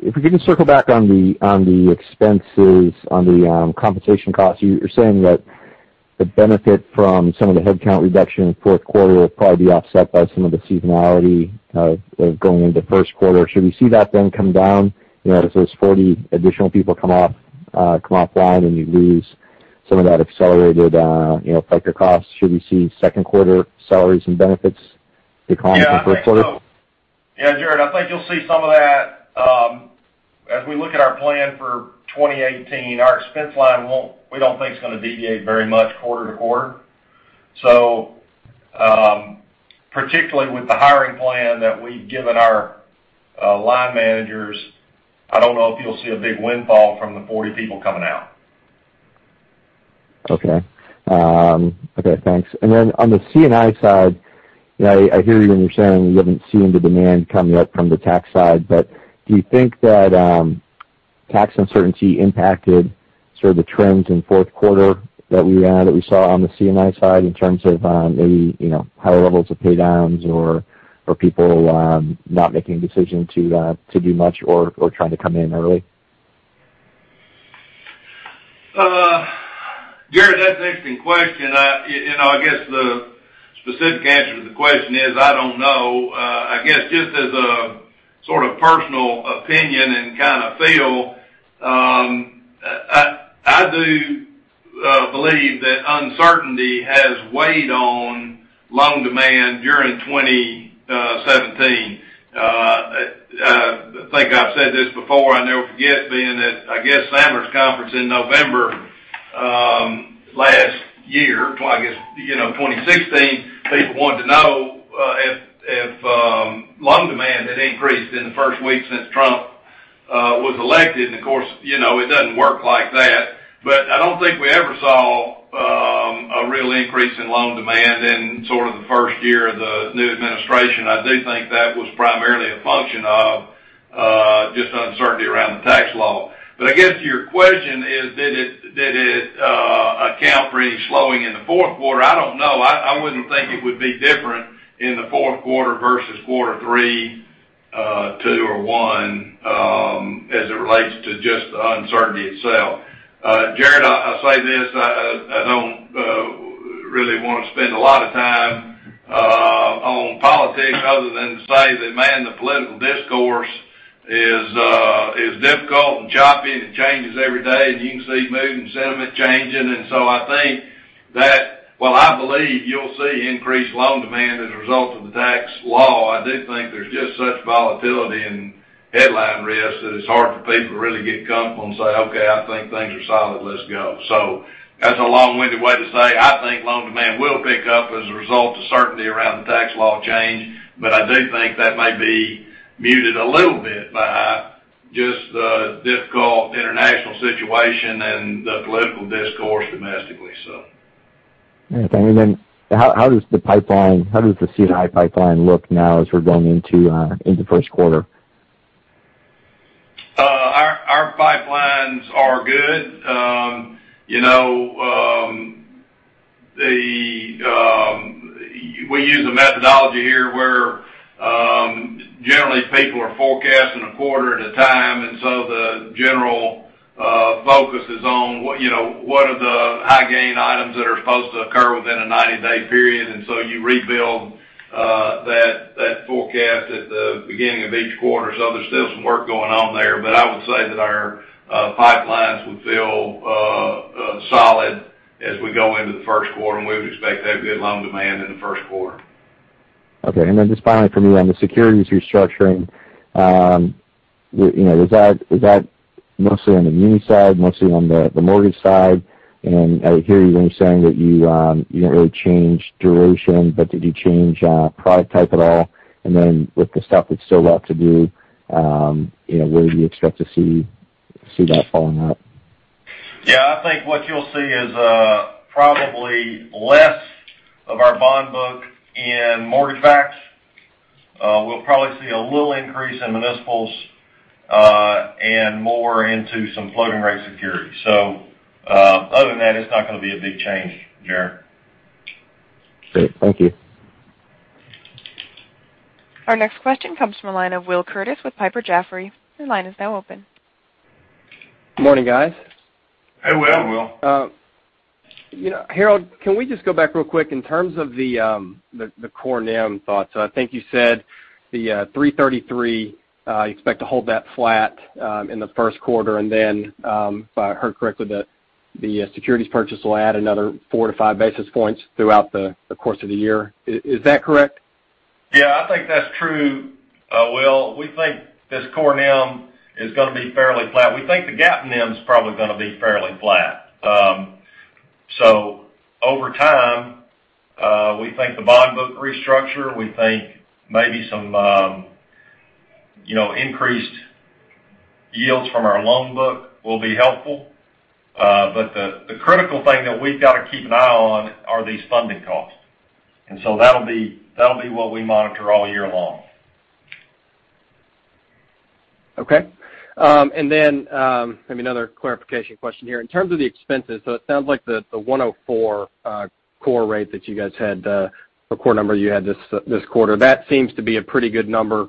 If we can circle back on the expenses, on the compensation costs, you're saying that the benefit from some of the headcount reduction in fourth quarter will probably be offset by some of the seasonality of going into first quarter. Should we see that then come down as those 40 additional people come offline and you lose some of that accelerated FICA costs? Should we see second quarter salaries and benefits decline from first quarter? Yeah, Jared, I think you'll see some of that. As we look at our plan for 2018, our expense line, we don't think it's going to deviate very much quarter to quarter. Particularly with the hiring plan that we've given our line managers, I don't know if you'll see a big windfall from the 40 people coming out. Okay, thanks. On the C&I side, I hear you when you're saying you haven't seen the demand coming up from the tax side, do you think that tax uncertainty impacted sort of the trends in fourth quarter that we saw on the C&I side in terms of maybe higher levels of paydowns or people not making a decision to do much or trying to come in early? Jared, that's an interesting question. I guess the specific answer to the question is, I don't know. I guess just as a sort of personal opinion and kind of feel, I do believe that uncertainty has weighed on loan demand during 2017. I think I've said this before. I'll never forget being at, I guess, Sandler conference in November, last year, I guess, 2016, people wanted to know if loan demand had increased in the first week since Trump was elected, and of course, it doesn't work like that. I don't think we ever saw a real increase in loan demand in sort of the first year of the new administration. I do think that was primarily a function of just uncertainty around the tax law. I guess your question is, did it account for any slowing in the fourth quarter? I don't know. I wouldn't think it would be different in the fourth quarter versus quarter three, two or one, as it relates to just the uncertainty itself. Jared, I say this, I don't really want to spend a lot of time on politics other than to say that, man, the political discourse is difficult and choppy and it changes every day, and you can see mood and sentiment changing. I think that, while I believe you'll see increased loan demand as a result of the tax law, I do think there's just such volatility and headline risks that it's hard for people to really get comfortable and say, "Okay, I think things are solid. Let's go." That's a long-winded way to say, I think loan demand will pick up as a result of certainty around the tax law change, but I do think that may be muted a little bit by just the difficult international situation and the political discourse domestically. How does the C&I pipeline look now as we're going into first quarter? Our pipelines are good. We use a methodology here where generally people are forecasting a quarter at a time, the general focus is on what are the high gain items that are supposed to occur within a 90-day period, you rebuild that forecast at the beginning of each quarter. There's still some work going on there. I would say that our pipelines would feel Solid as we go into the first quarter, we would expect that good loan demand in the first quarter. Okay. Just finally for me, on the securities restructuring, is that mostly on the muni side, mostly on the mortgage side? I hear you when you're saying that you didn't really change duration, did you change product type at all? With the stuff that's still left to do, where do you expect to see that following up? Yeah, I think what you'll see is probably less of our bond book in mortgage-backs. We'll probably see a little increase in municipals, and more into some floating rate security. Other than that, it's not going to be a big change, Jared. Great. Thank you. Our next question comes from the line of Will Curtis with Piper Jaffray. Your line is now open. Morning, guys. Hey, Will. Hey, Will. Harold, can we just go back real quick in terms of the core NIM thoughts? I think you said the 333, you expect to hold that flat in the first quarter, and then, if I heard correctly, the securities purchase will add another four to five basis points throughout the course of the year. Is that correct? Yeah, I think that's true, Will. We think this core NIM is going to be fairly flat. We think the GAAP NIM is probably going to be fairly flat. Over time, we think the bond book restructure, we think maybe some increased yields from our loan book will be helpful. The critical thing that we've got to keep an eye on are these funding costs. That'll be what we monitor all year long. Okay. Maybe another clarification question here. In terms of the expenses, it sounds like the 104 core rate that you guys had, the core number you had this quarter, that seems to be a pretty good number,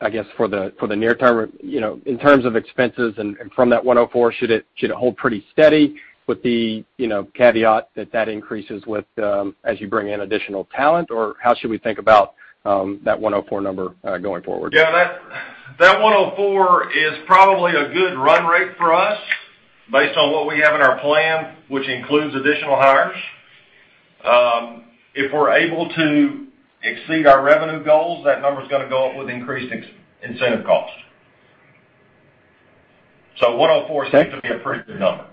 I guess, for the near term. In terms of expenses and from that 104, should it hold pretty steady with the caveat that that increases as you bring in additional talent, or how should we think about that 104 number going forward? Yeah, that 104 is probably a good run rate for us based on what we have in our plan, which includes additional hires. If we're able to exceed our revenue goals, that number's going to go up with increased incentive cost. 104 seems to be a pretty good number.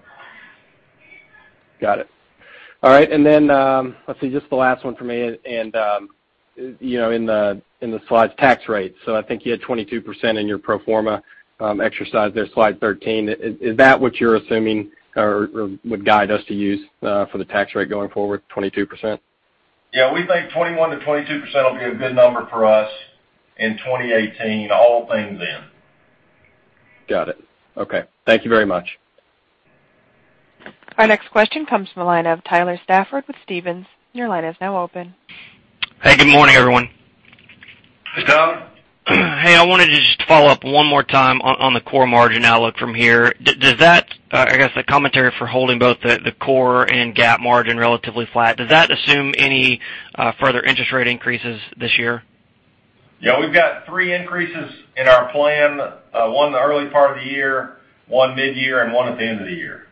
Got it. All right. Then, let's see, just the last one for me, in the slides, tax rate. I think you had 22% in your pro forma exercise there, slide 13. Is that what you're assuming or would guide us to use for the tax rate going forward, 22%? Yeah, we think 21%-22% will be a good number for us in 2018, all things in. Got it. Okay. Thank you very much. Our next question comes from the line of Tyler Stafford with Stephens. Your line is now open. Hey, good morning, everyone. Hey, Tyler. Hey, I wanted to just follow up one more time on the core margin outlook from here. Does that, I guess, the commentary for holding both the core and GAAP margin relatively flat, does that assume any further interest rate increases this year? Yeah, we've got three increases in our plan, one in the early part of the year, one mid-year, and one at the end of the year.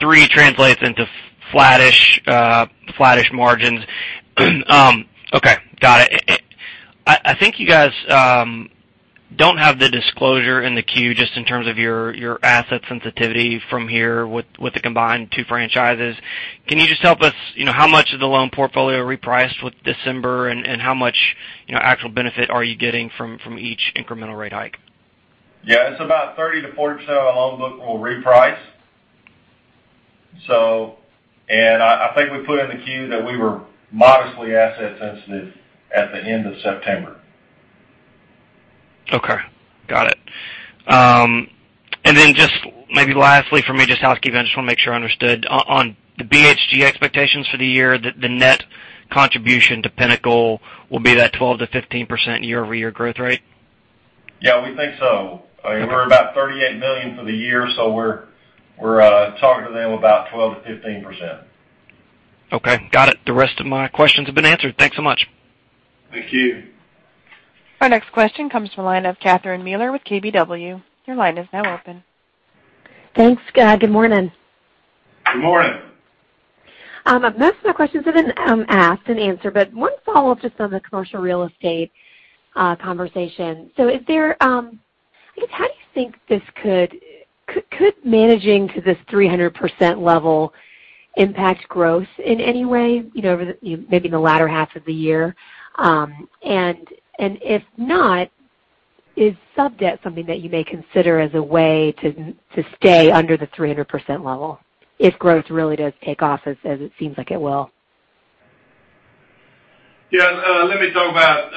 Three translates into flattish margins. Okay, got it. I think you guys don't have the disclosure in the Q just in terms of your asset sensitivity from here with the combined two franchises. Can you just help us, how much of the loan portfolio repriced with December and how much actual benefit are you getting from each incremental rate hike? Yeah, it's about 30%-40% of the loan book will reprice. I think we put in the Q that we were modestly asset sensitive at the end of September. Okay, got it. Just maybe lastly for me, just housekeeping, I just want to make sure I understood. On the BHG expectations for the year, the net contribution to Pinnacle will be that 12%-15% year-over-year growth rate? Yeah, we think so. We're about $38 million for the year, we're talking to them about 12%-15%. Okay, got it. The rest of my questions have been answered. Thanks so much. Thank you. Our next question comes from the line of Catherine Mealor with KBW. Your line is now open. Thanks. Good morning. Good morning. One follow-up just on the commercial real estate conversation. I guess, how do you think could managing to this 300% level impact growth in any way, maybe in the latter half of the year? And if not, is sub-debt something that you may consider as a way to stay under the 300% level if growth really does take off as it seems like it will? Let me talk about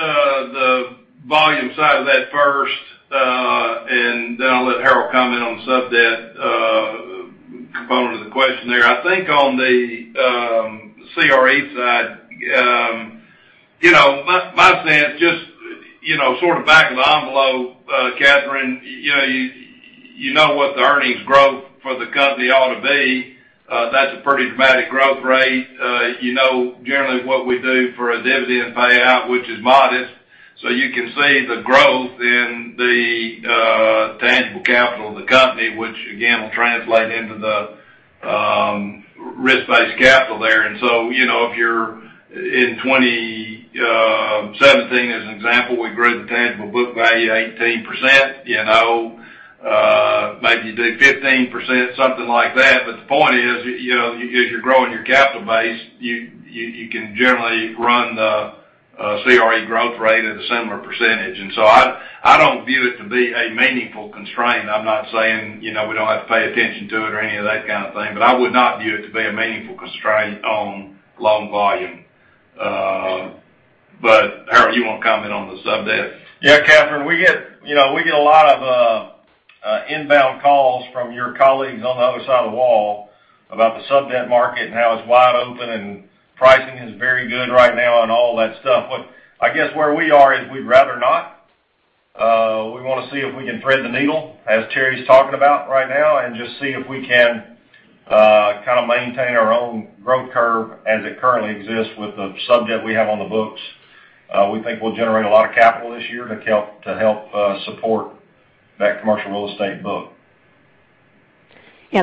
the volume side of that first, Then I'll let Harold comment on the sub-debt component of the question there. I think on the CRE side, my sense, just sort of back of the envelope, Catherine, you know what the earnings growth for the company ought to be. That's a pretty dramatic growth rate Generally what we do for a dividend payout, which is modest. You can see the growth in the tangible capital of the company, which again, will translate into the risk-based capital there. If you're in 2017 as an example, we grew the tangible book value 18%, maybe you do 15%, something like that. The point is, as you're growing your capital base, you can generally run the CRE growth rate at a similar percentage. I don't view it to be a meaningful constraint. I'm not saying we don't have to pay attention to it or any of that kind of thing, but I would not view it to be a meaningful constraint on loan volume. Harold, you want to comment on the sub-debt? Catherine, we get a lot of inbound calls from your colleagues on the other side of the wall about the sub-debt market and how it's wide open and pricing is very good right now and all that stuff. I guess where we are is we'd rather not. We want to see if we can thread the needle, as Terry's talking about right now, and just see if we can maintain our own growth curve as it currently exists with the sub-debt we have on the books. We think we'll generate a lot of capital this year to help support that commercial real estate book.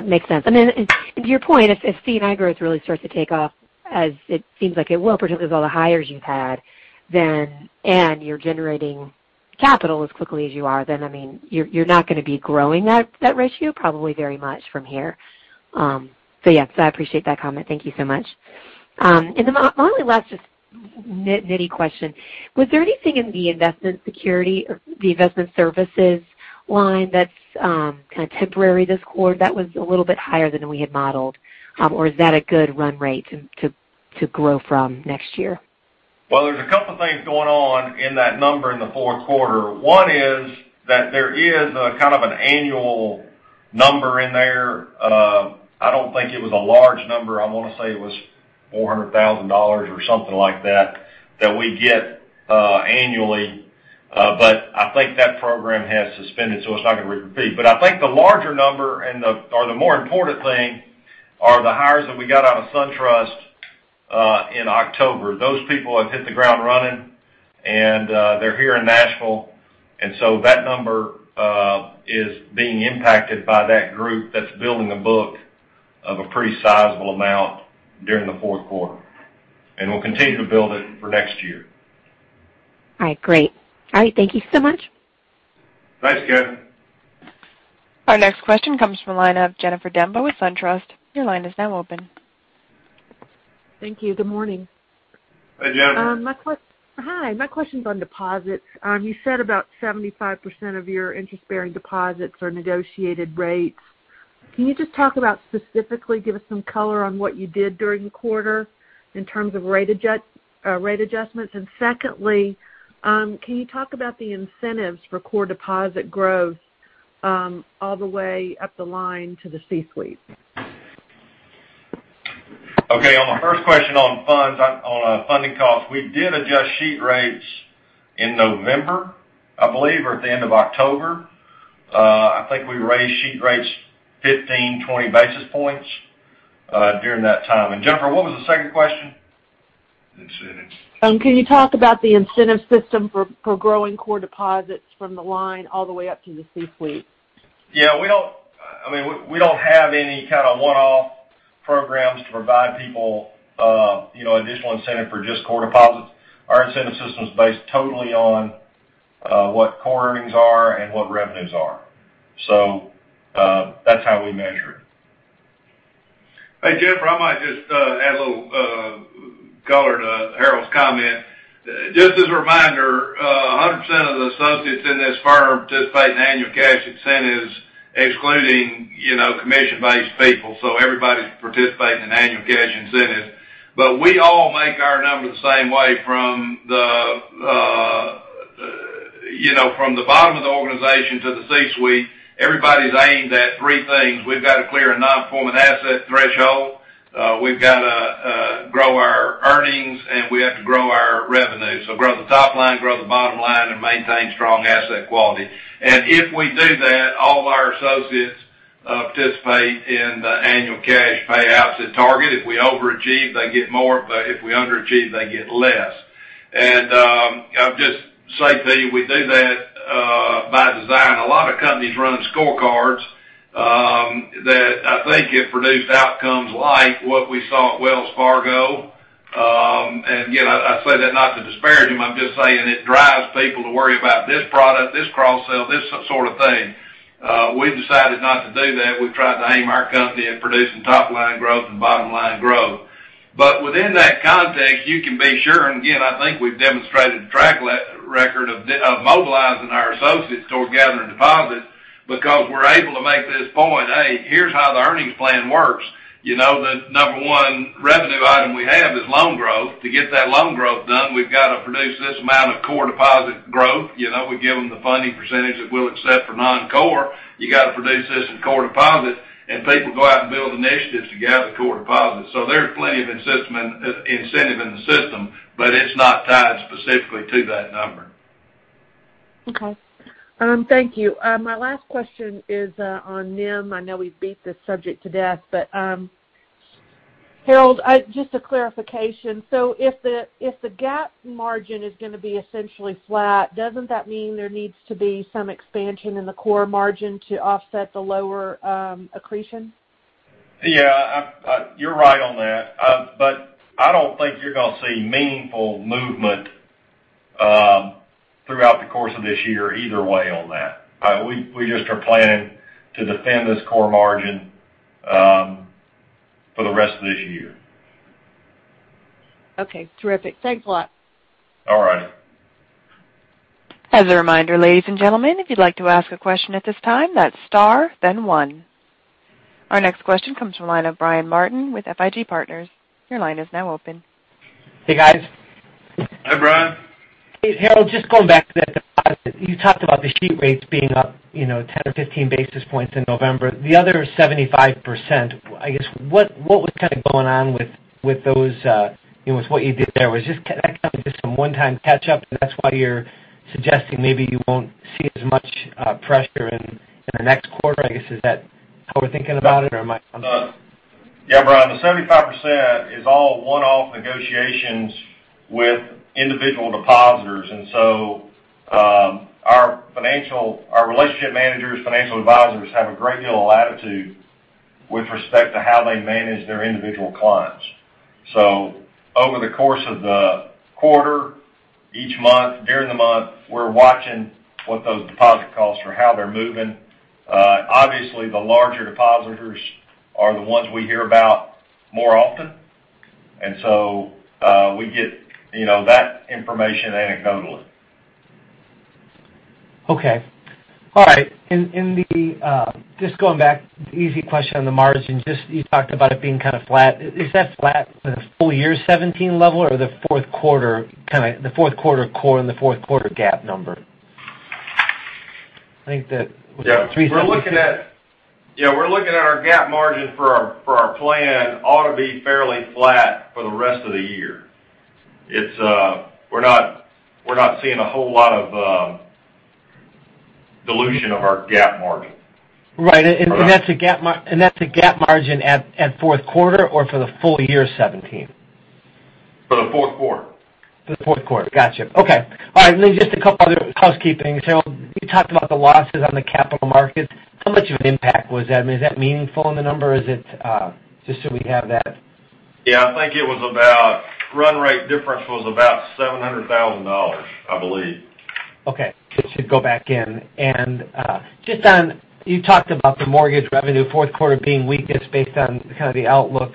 Makes sense. To your point, if C&I growth really starts to take off as it seems like it will, particularly with all the hires you've had, and you're generating capital as quickly as you are, then you're not going to be growing that ratio probably very much from here. Yeah. I appreciate that comment. Thank you so much. My only last just nitty question, was there anything in the investment security or the investment services line that's kind of temporary this quarter that was a little bit higher than we had modeled? Or is that a good run rate to grow from next year? There's a couple of things going on in that number in the fourth quarter. One is that there is a kind of an annual number in there. I don't think it was a large number. I want to say it was $400,000 or something like that we get annually. I think that program has suspended, so it's not going to repeat. I think the larger number, or the more important thing, are the hires that we got out of SunTrust in October. Those people have hit the ground running, and they're here in Nashville. That number is being impacted by that group that's building a book of a pretty sizable amount during the fourth quarter. We'll continue to build it for next year. Great. Thank you so much. Thanks, Catherine. Our next question comes from the line of Jennifer Demba with SunTrust. Your line is now open. Thank you. Good morning. Hey, Jennifer. Hi. My question's on deposits. You said about 75% of your interest-bearing deposits are negotiated rates. Can you just talk about specifically, give us some color on what you did during the quarter in terms of rate adjustments? Secondly, can you talk about the incentives for core deposit growth all the way up the line to the C-suite? Okay, on the first question on funding costs, we did adjust sheet rates in November, I believe, or at the end of October. I think we raised sheet rates 15, 20 basis points during that time. Jennifer, what was the second question? Can you talk about the incentive system for growing core deposits from the line all the way up to the C-suite? Yeah, we don't have any kind of one-off programs to provide people additional incentive for just core deposits. Our incentive system is based totally on what core earnings are and what revenues are. That's how we measure it. Hey, Jennifer, I might just add a little color to Harold's comment. Just as a reminder, 100% of the associates in this firm participate in annual cash incentives, excluding commission-based people. Everybody's participating in annual cash incentives. We all make our numbers the same way. From the bottom of the organization to the C-suite, everybody's aimed at three things. We've got to clear a non-performing asset threshold, we've got to grow our earnings, and we have to grow our revenue. Grow the top line, grow the bottom line, and maintain strong asset quality. If we do that, all of our associates participate in the annual cash payouts at target. If we overachieve, they get more, but if we underachieve, they get less. I'll just say that we do that by design. A lot of companies run scorecards that I think have produced outcomes like what we saw at Wells Fargo. Again, I say that not to disparage them, I'm just saying it drives people to worry about this product, this cross-sell, this sort of thing. We've decided not to do that. We've tried to aim our company at producing top-line growth and bottom-line growth. Within that context, you can be sure, and again, I think we've demonstrated a track record of mobilizing our associates toward gathering deposits because we're able to make this point, "Hey, here's how the earnings plan works." The number one revenue item we have is loan growth. To get that loan growth done, we've got to produce this amount of core deposit growth. We give them the funding percentage that we'll accept for non-core. You got to produce this in core deposit, people go out and build initiatives to gather core deposits. There's plenty of incentive in the system, but it's not tied specifically to that number. Okay. Thank you. My last question is on NIM. I know we've beat this subject to death, Harold, just a clarification. If the GAAP margin is going to be essentially flat, doesn't that mean there needs to be some expansion in the core margin to offset the lower accretion? Yeah. You're right on that. I don't think you're going to see meaningful movement throughout the course of this year either way on that. We just are planning to defend this core margin for the rest of this year. Okay. Terrific. Thanks a lot. All right. As a reminder, ladies and gentlemen, if you'd like to ask a question at this time, that's star then one. Our next question comes from the line of Brian Martin with FIG Partners. Your line is now open. Hey, guys. Hi, Brian. Hey, Harold, just going back to that deposit. You talked about the sheet rates being up 10 or 15 basis points in November. The other 75%, I guess, what was going on with what you did there? Was this some one-time catch-up and that's why you're suggesting maybe you won't see as much pressure in the next quarter, I guess, is that how we're thinking about it? Or am I? Yeah, Brian, the 75% is all one-off negotiations with individual depositors. Our relationship managers, financial advisors, have a great deal of latitude with respect to how they manage their individual clients. So, over the course of the quarter, each month, during the month, we're watching what those deposit costs are, how they're moving. Obviously, the larger depositors are the ones we hear about more often. We get that information anecdotally. Okay. All right. Just going back, easy question on the margins. You talked about it being kind of flat. Is that flat the full year 2017 level or the fourth quarter core and the fourth quarter GAAP number? Yeah, we're looking at our GAAP margin for our plan ought to be fairly flat for the rest of the year. We're not seeing a whole lot of dilution of our GAAP margin. Right. That's a GAAP margin at fourth quarter or for the full year 2017? For the fourth quarter. For the fourth quarter. Got you. Okay. All right. Just a couple other housekeepings. Harold, you talked about the losses on the capital markets. How much of an impact was that? I mean, is that meaningful in the number? Just so we have that. Yeah, I think it was about, run rate difference was about $700,000, I believe. Okay. It should go back in. You talked about the mortgage revenue, fourth quarter being weakest based on kind of the outlook.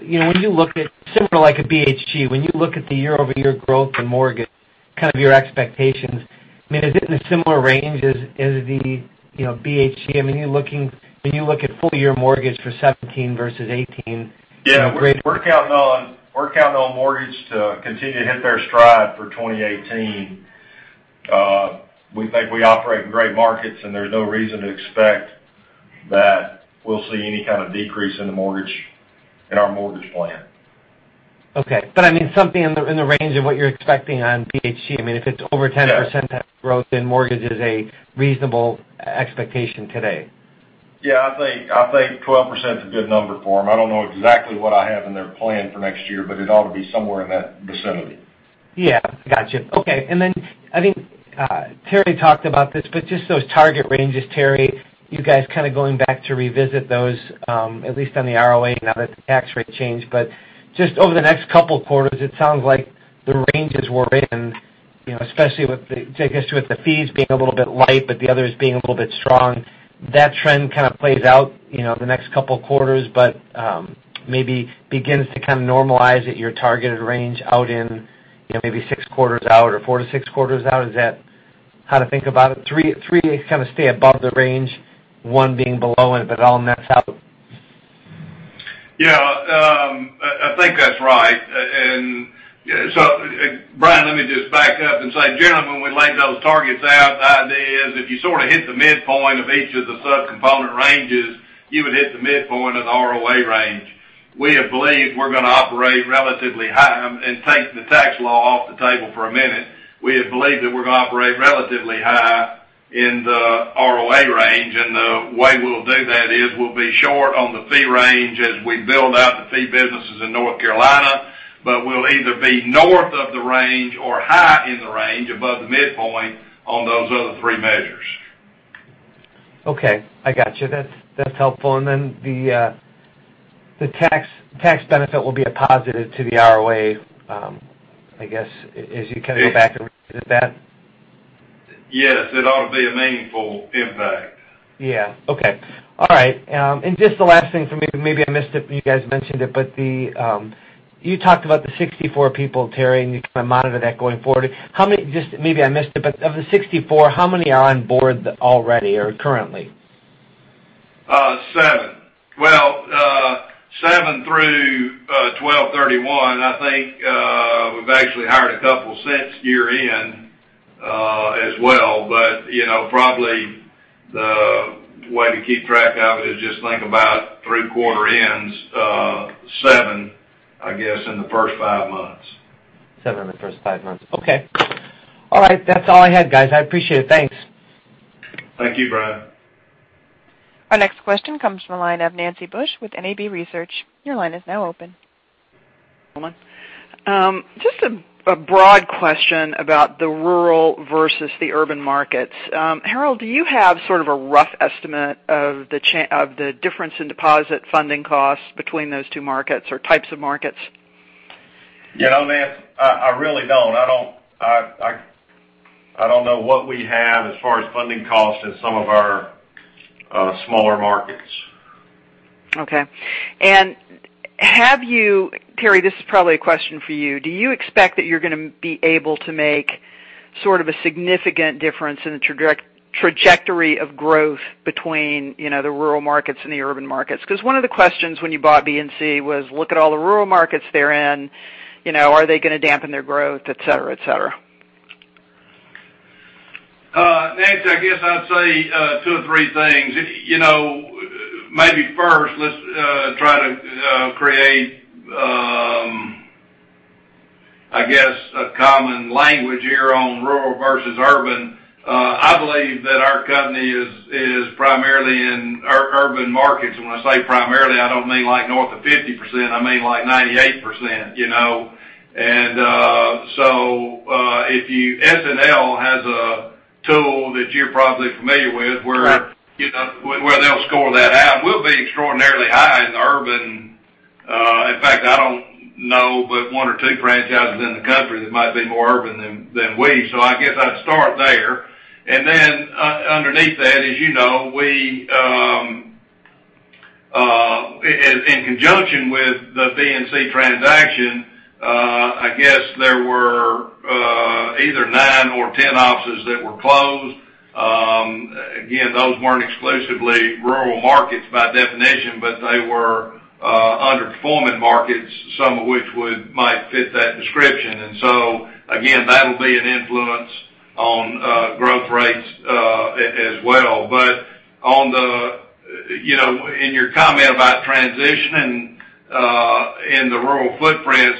Similar like a BHG, when you look at the year-over-year growth in mortgage, your expectations, I mean, is it in a similar range as the BHG? I mean, when you look at full year mortgage for 2017 versus 2018, you know. Yeah. We're counting on mortgage to continue to hit their stride for 2018. We think we operate in great markets, and there's no reason to expect that we'll see any kind of decrease in our mortgage plan. Okay. I mean, something in the range of what you're expecting on BHG, I mean, if it's over 10% growth in mortgage is a reasonable expectation today. Yeah, I think 12% is a good number for them. I don't know exactly what I have in their plan for next year, but it ought to be somewhere in that vicinity. Yeah. Got you. Okay. I think Terry talked about this, just those target ranges, Terry, you guys kind of going back to revisit those, at least on the ROA now that the tax rate changed. Just over the next couple of quarters, it sounds like the ranges we're in, I guess with the fees being a little bit light, but the others being a little bit strong, that trend kind of plays out the next couple of quarters, but maybe begins to kind of normalize at your targeted range out in maybe six quarters out or four to six quarters out. Is that how to think about it? Three kind of stay above the range, one being below, it all nets out. Yeah. I think that's right. Brian, let me just back up and say, generally, when we laid those targets out, the idea is if you sort of hit the midpoint of each of the subcomponent ranges, you would hit the midpoint of the ROA range. We have believed we're going to operate relatively high, take the tax law off the table for a minute, we have believed that we're going to operate relatively high in the ROA range. The way we'll do that is we'll be short on the fee range as we build out the fee businesses in North Carolina, we'll either be north of the range or high in the range above the midpoint on those other three measures. Okay. I got you. That's helpful. Then the tax benefit will be a positive to the ROA, I guess, as you kind of go back and revisit that. Yes. It ought to be a meaningful impact. Yeah. Okay. All right. Just the last thing for me, maybe I missed it, and you guys mentioned it, but you talked about the 64 people, Terry, and you kind of monitor that going forward. Maybe I missed it, but of the 64, how many are on board already or currently? Seven. Well, seven through 12/31, I think. We've actually hired a couple since year-end as well. Probably the Way to keep track of it is just think about three quarter ends, seven, I guess, in the first five months. Seven in the first five months. Okay. All right. That's all I had, guys. I appreciate it. Thanks. Thank you, Brian. Our next question comes from the line of Nancy Bush with NAB Research. Your line is now open. Hello. Just a broad question about the rural versus the urban markets. Harold, do you have sort of a rough estimate of the difference in deposit funding costs between those two markets or types of markets? Nancy, I really don't. I don't know what we have as far as funding costs in some of our smaller markets. Okay. Have you, Terry, this is probably a question for you. Do you expect that you're going to be able to make sort of a significant difference in the trajectory of growth between the rural markets and the urban markets? One of the questions when you bought BNC was look at all the rural markets they're in, are they going to dampen their growth, et cetera. Nancy, I guess I'd say two or three things. Maybe first, let's try to create, I guess, a common language here on rural versus urban. I believe that our company is primarily in urban markets. When I say primarily, I don't mean like north of 50%, I mean like 98%. SNL has a tool that you're probably familiar with. Right Where they'll score that out, we'll be extraordinarily high in the urban. In fact, I don't know but one or two franchises in the country that might be more urban than we. I guess I'd start there. Underneath that, as you know, in conjunction with the BNC transaction, I guess there were either nine or 10 offices that were closed. Again, those weren't exclusively rural markets by definition, but they were underperforming markets, some of which might fit that description. Again, that'll be an influence on growth rates as well. In your comment about transitioning in the rural footprints,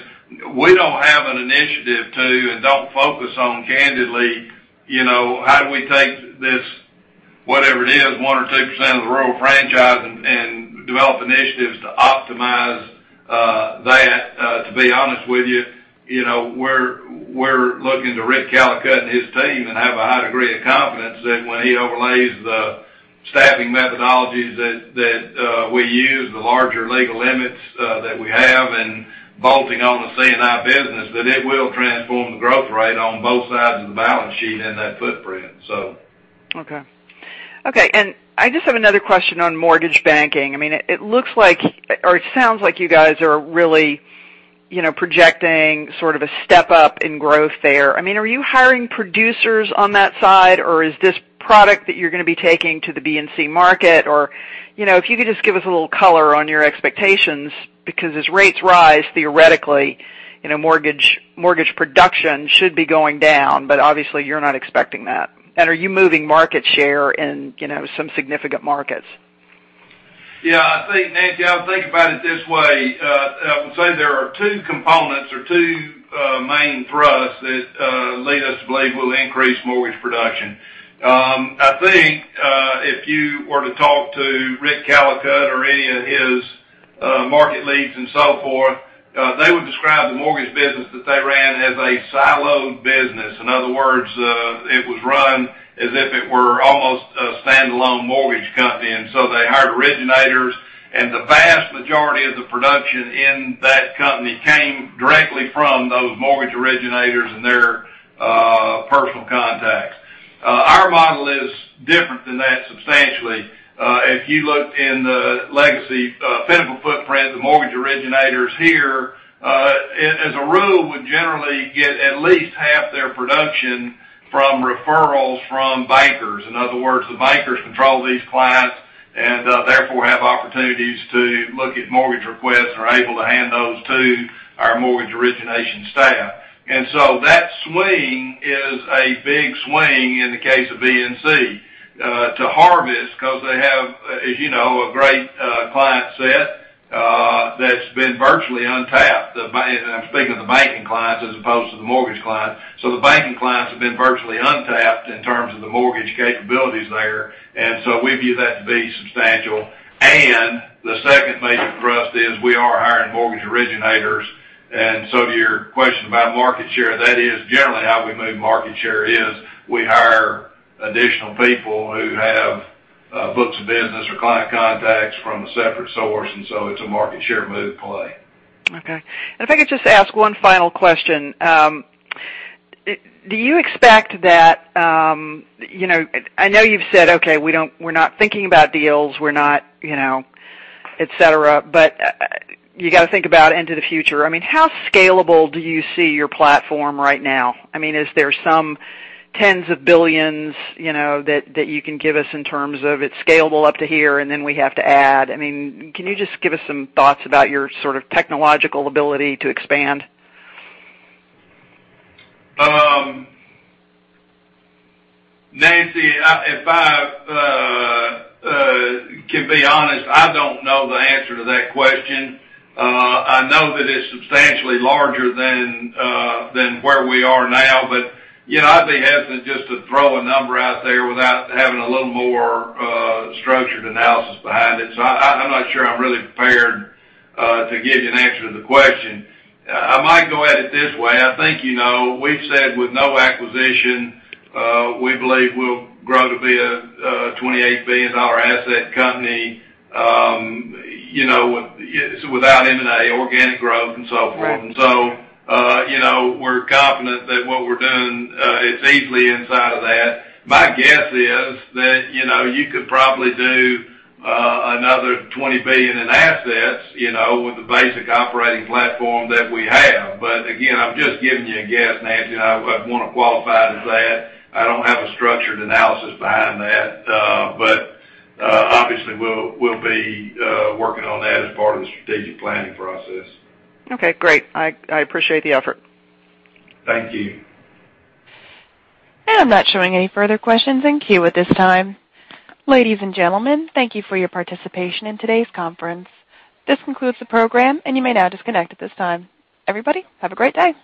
we don't have an initiative to and don't focus on candidly, how do we take this, whatever it is, 1% or 2% of the rural franchise and develop initiatives to optimize that to be honest with you. We're looking to Rick Callicutt and his team and have a high degree of confidence that when he overlays the staffing methodologies that we use, the larger legal limits that we have, and bolting on the C&I business, that it will transform the growth rate on both sides of the balance sheet in that footprint. Okay. I just have another question on mortgage banking. It looks like, or it sounds like you guys are really projecting sort of a step-up in growth there. Are you hiring producers on that side, or is this product that you're going to be taking to the BNC market, or if you could just give us a little color on your expectations, because as rates rise, theoretically, mortgage production should be going down, but obviously, you're not expecting that. Are you moving market share in some significant markets? Yeah. Nancy, I would think about it this way. I would say there are two components or two main thrusts that lead us to believe we'll increase mortgage production. I think if you were to talk to Rick Callicutt or any of his market leads and so forth, they would describe the mortgage business that they ran as a siloed business. In other words, it was run as if it were almost a standalone mortgage company, they hired originators, and the vast majority of the production in that company came directly from those mortgage originators and their personal contacts. Our model is different than that substantially. If you look in the legacy Pinnacle footprint, the mortgage originators here, as a rule, would generally get at least half their production from referrals from bankers. In other words, the bankers control these clients and therefore have opportunities to look at mortgage requests and are able to hand those to our mortgage origination staff. That swing is a big swing in the case of BNC to harvest because they have, as you know, a great client set that's been virtually untapped, and I'm speaking of the banking clients as opposed to the mortgage clients. The banking clients have been virtually untapped in terms of the mortgage capabilities there, and so we view that to be substantial. The second major thrust is we are hiring mortgage originators. To your question about market share, that is generally how we move market share is we hire additional people who have books of business or client contacts from a separate source, and so it's a market share move play. Okay. If I could just ask one final question. Do you expect that I know you've said, okay, we're not thinking about deals, we're not et cetera, but you got to think about into the future. How scalable do you see your platform right now? Is there some tens of billions that you can give us in terms of it's scalable up to here, and then we have to add? Can you just give us some thoughts about your sort of technological ability to expand? Nancy, if I can be honest, I don't know the answer to that question. I know that it's substantially larger than where we are now, but I'd be hesitant just to throw a number out there without having a little more structured analysis behind it. I'm not sure I'm really prepared to give you an answer to the question. I might go at it this way. I think you know we've said with no acquisition, we believe we'll grow to be a $28 billion asset company without M&A, organic growth, and so forth. Right. We're confident that what we're doing is easily inside of that. My guess is that you could probably do another $20 billion in assets with the basic operating platform that we have. Again, I'm just giving you a guess, Nancy, and I want to qualify as that. I don't have a structured analysis behind that. Obviously, we'll be working on that as part of the strategic planning process. Okay, great. I appreciate the effort. Thank you. I'm not showing any further questions in queue at this time. Ladies and gentlemen, thank you for your participation in today's conference. This concludes the program, and you may now disconnect at this time. Everybody, have a great day.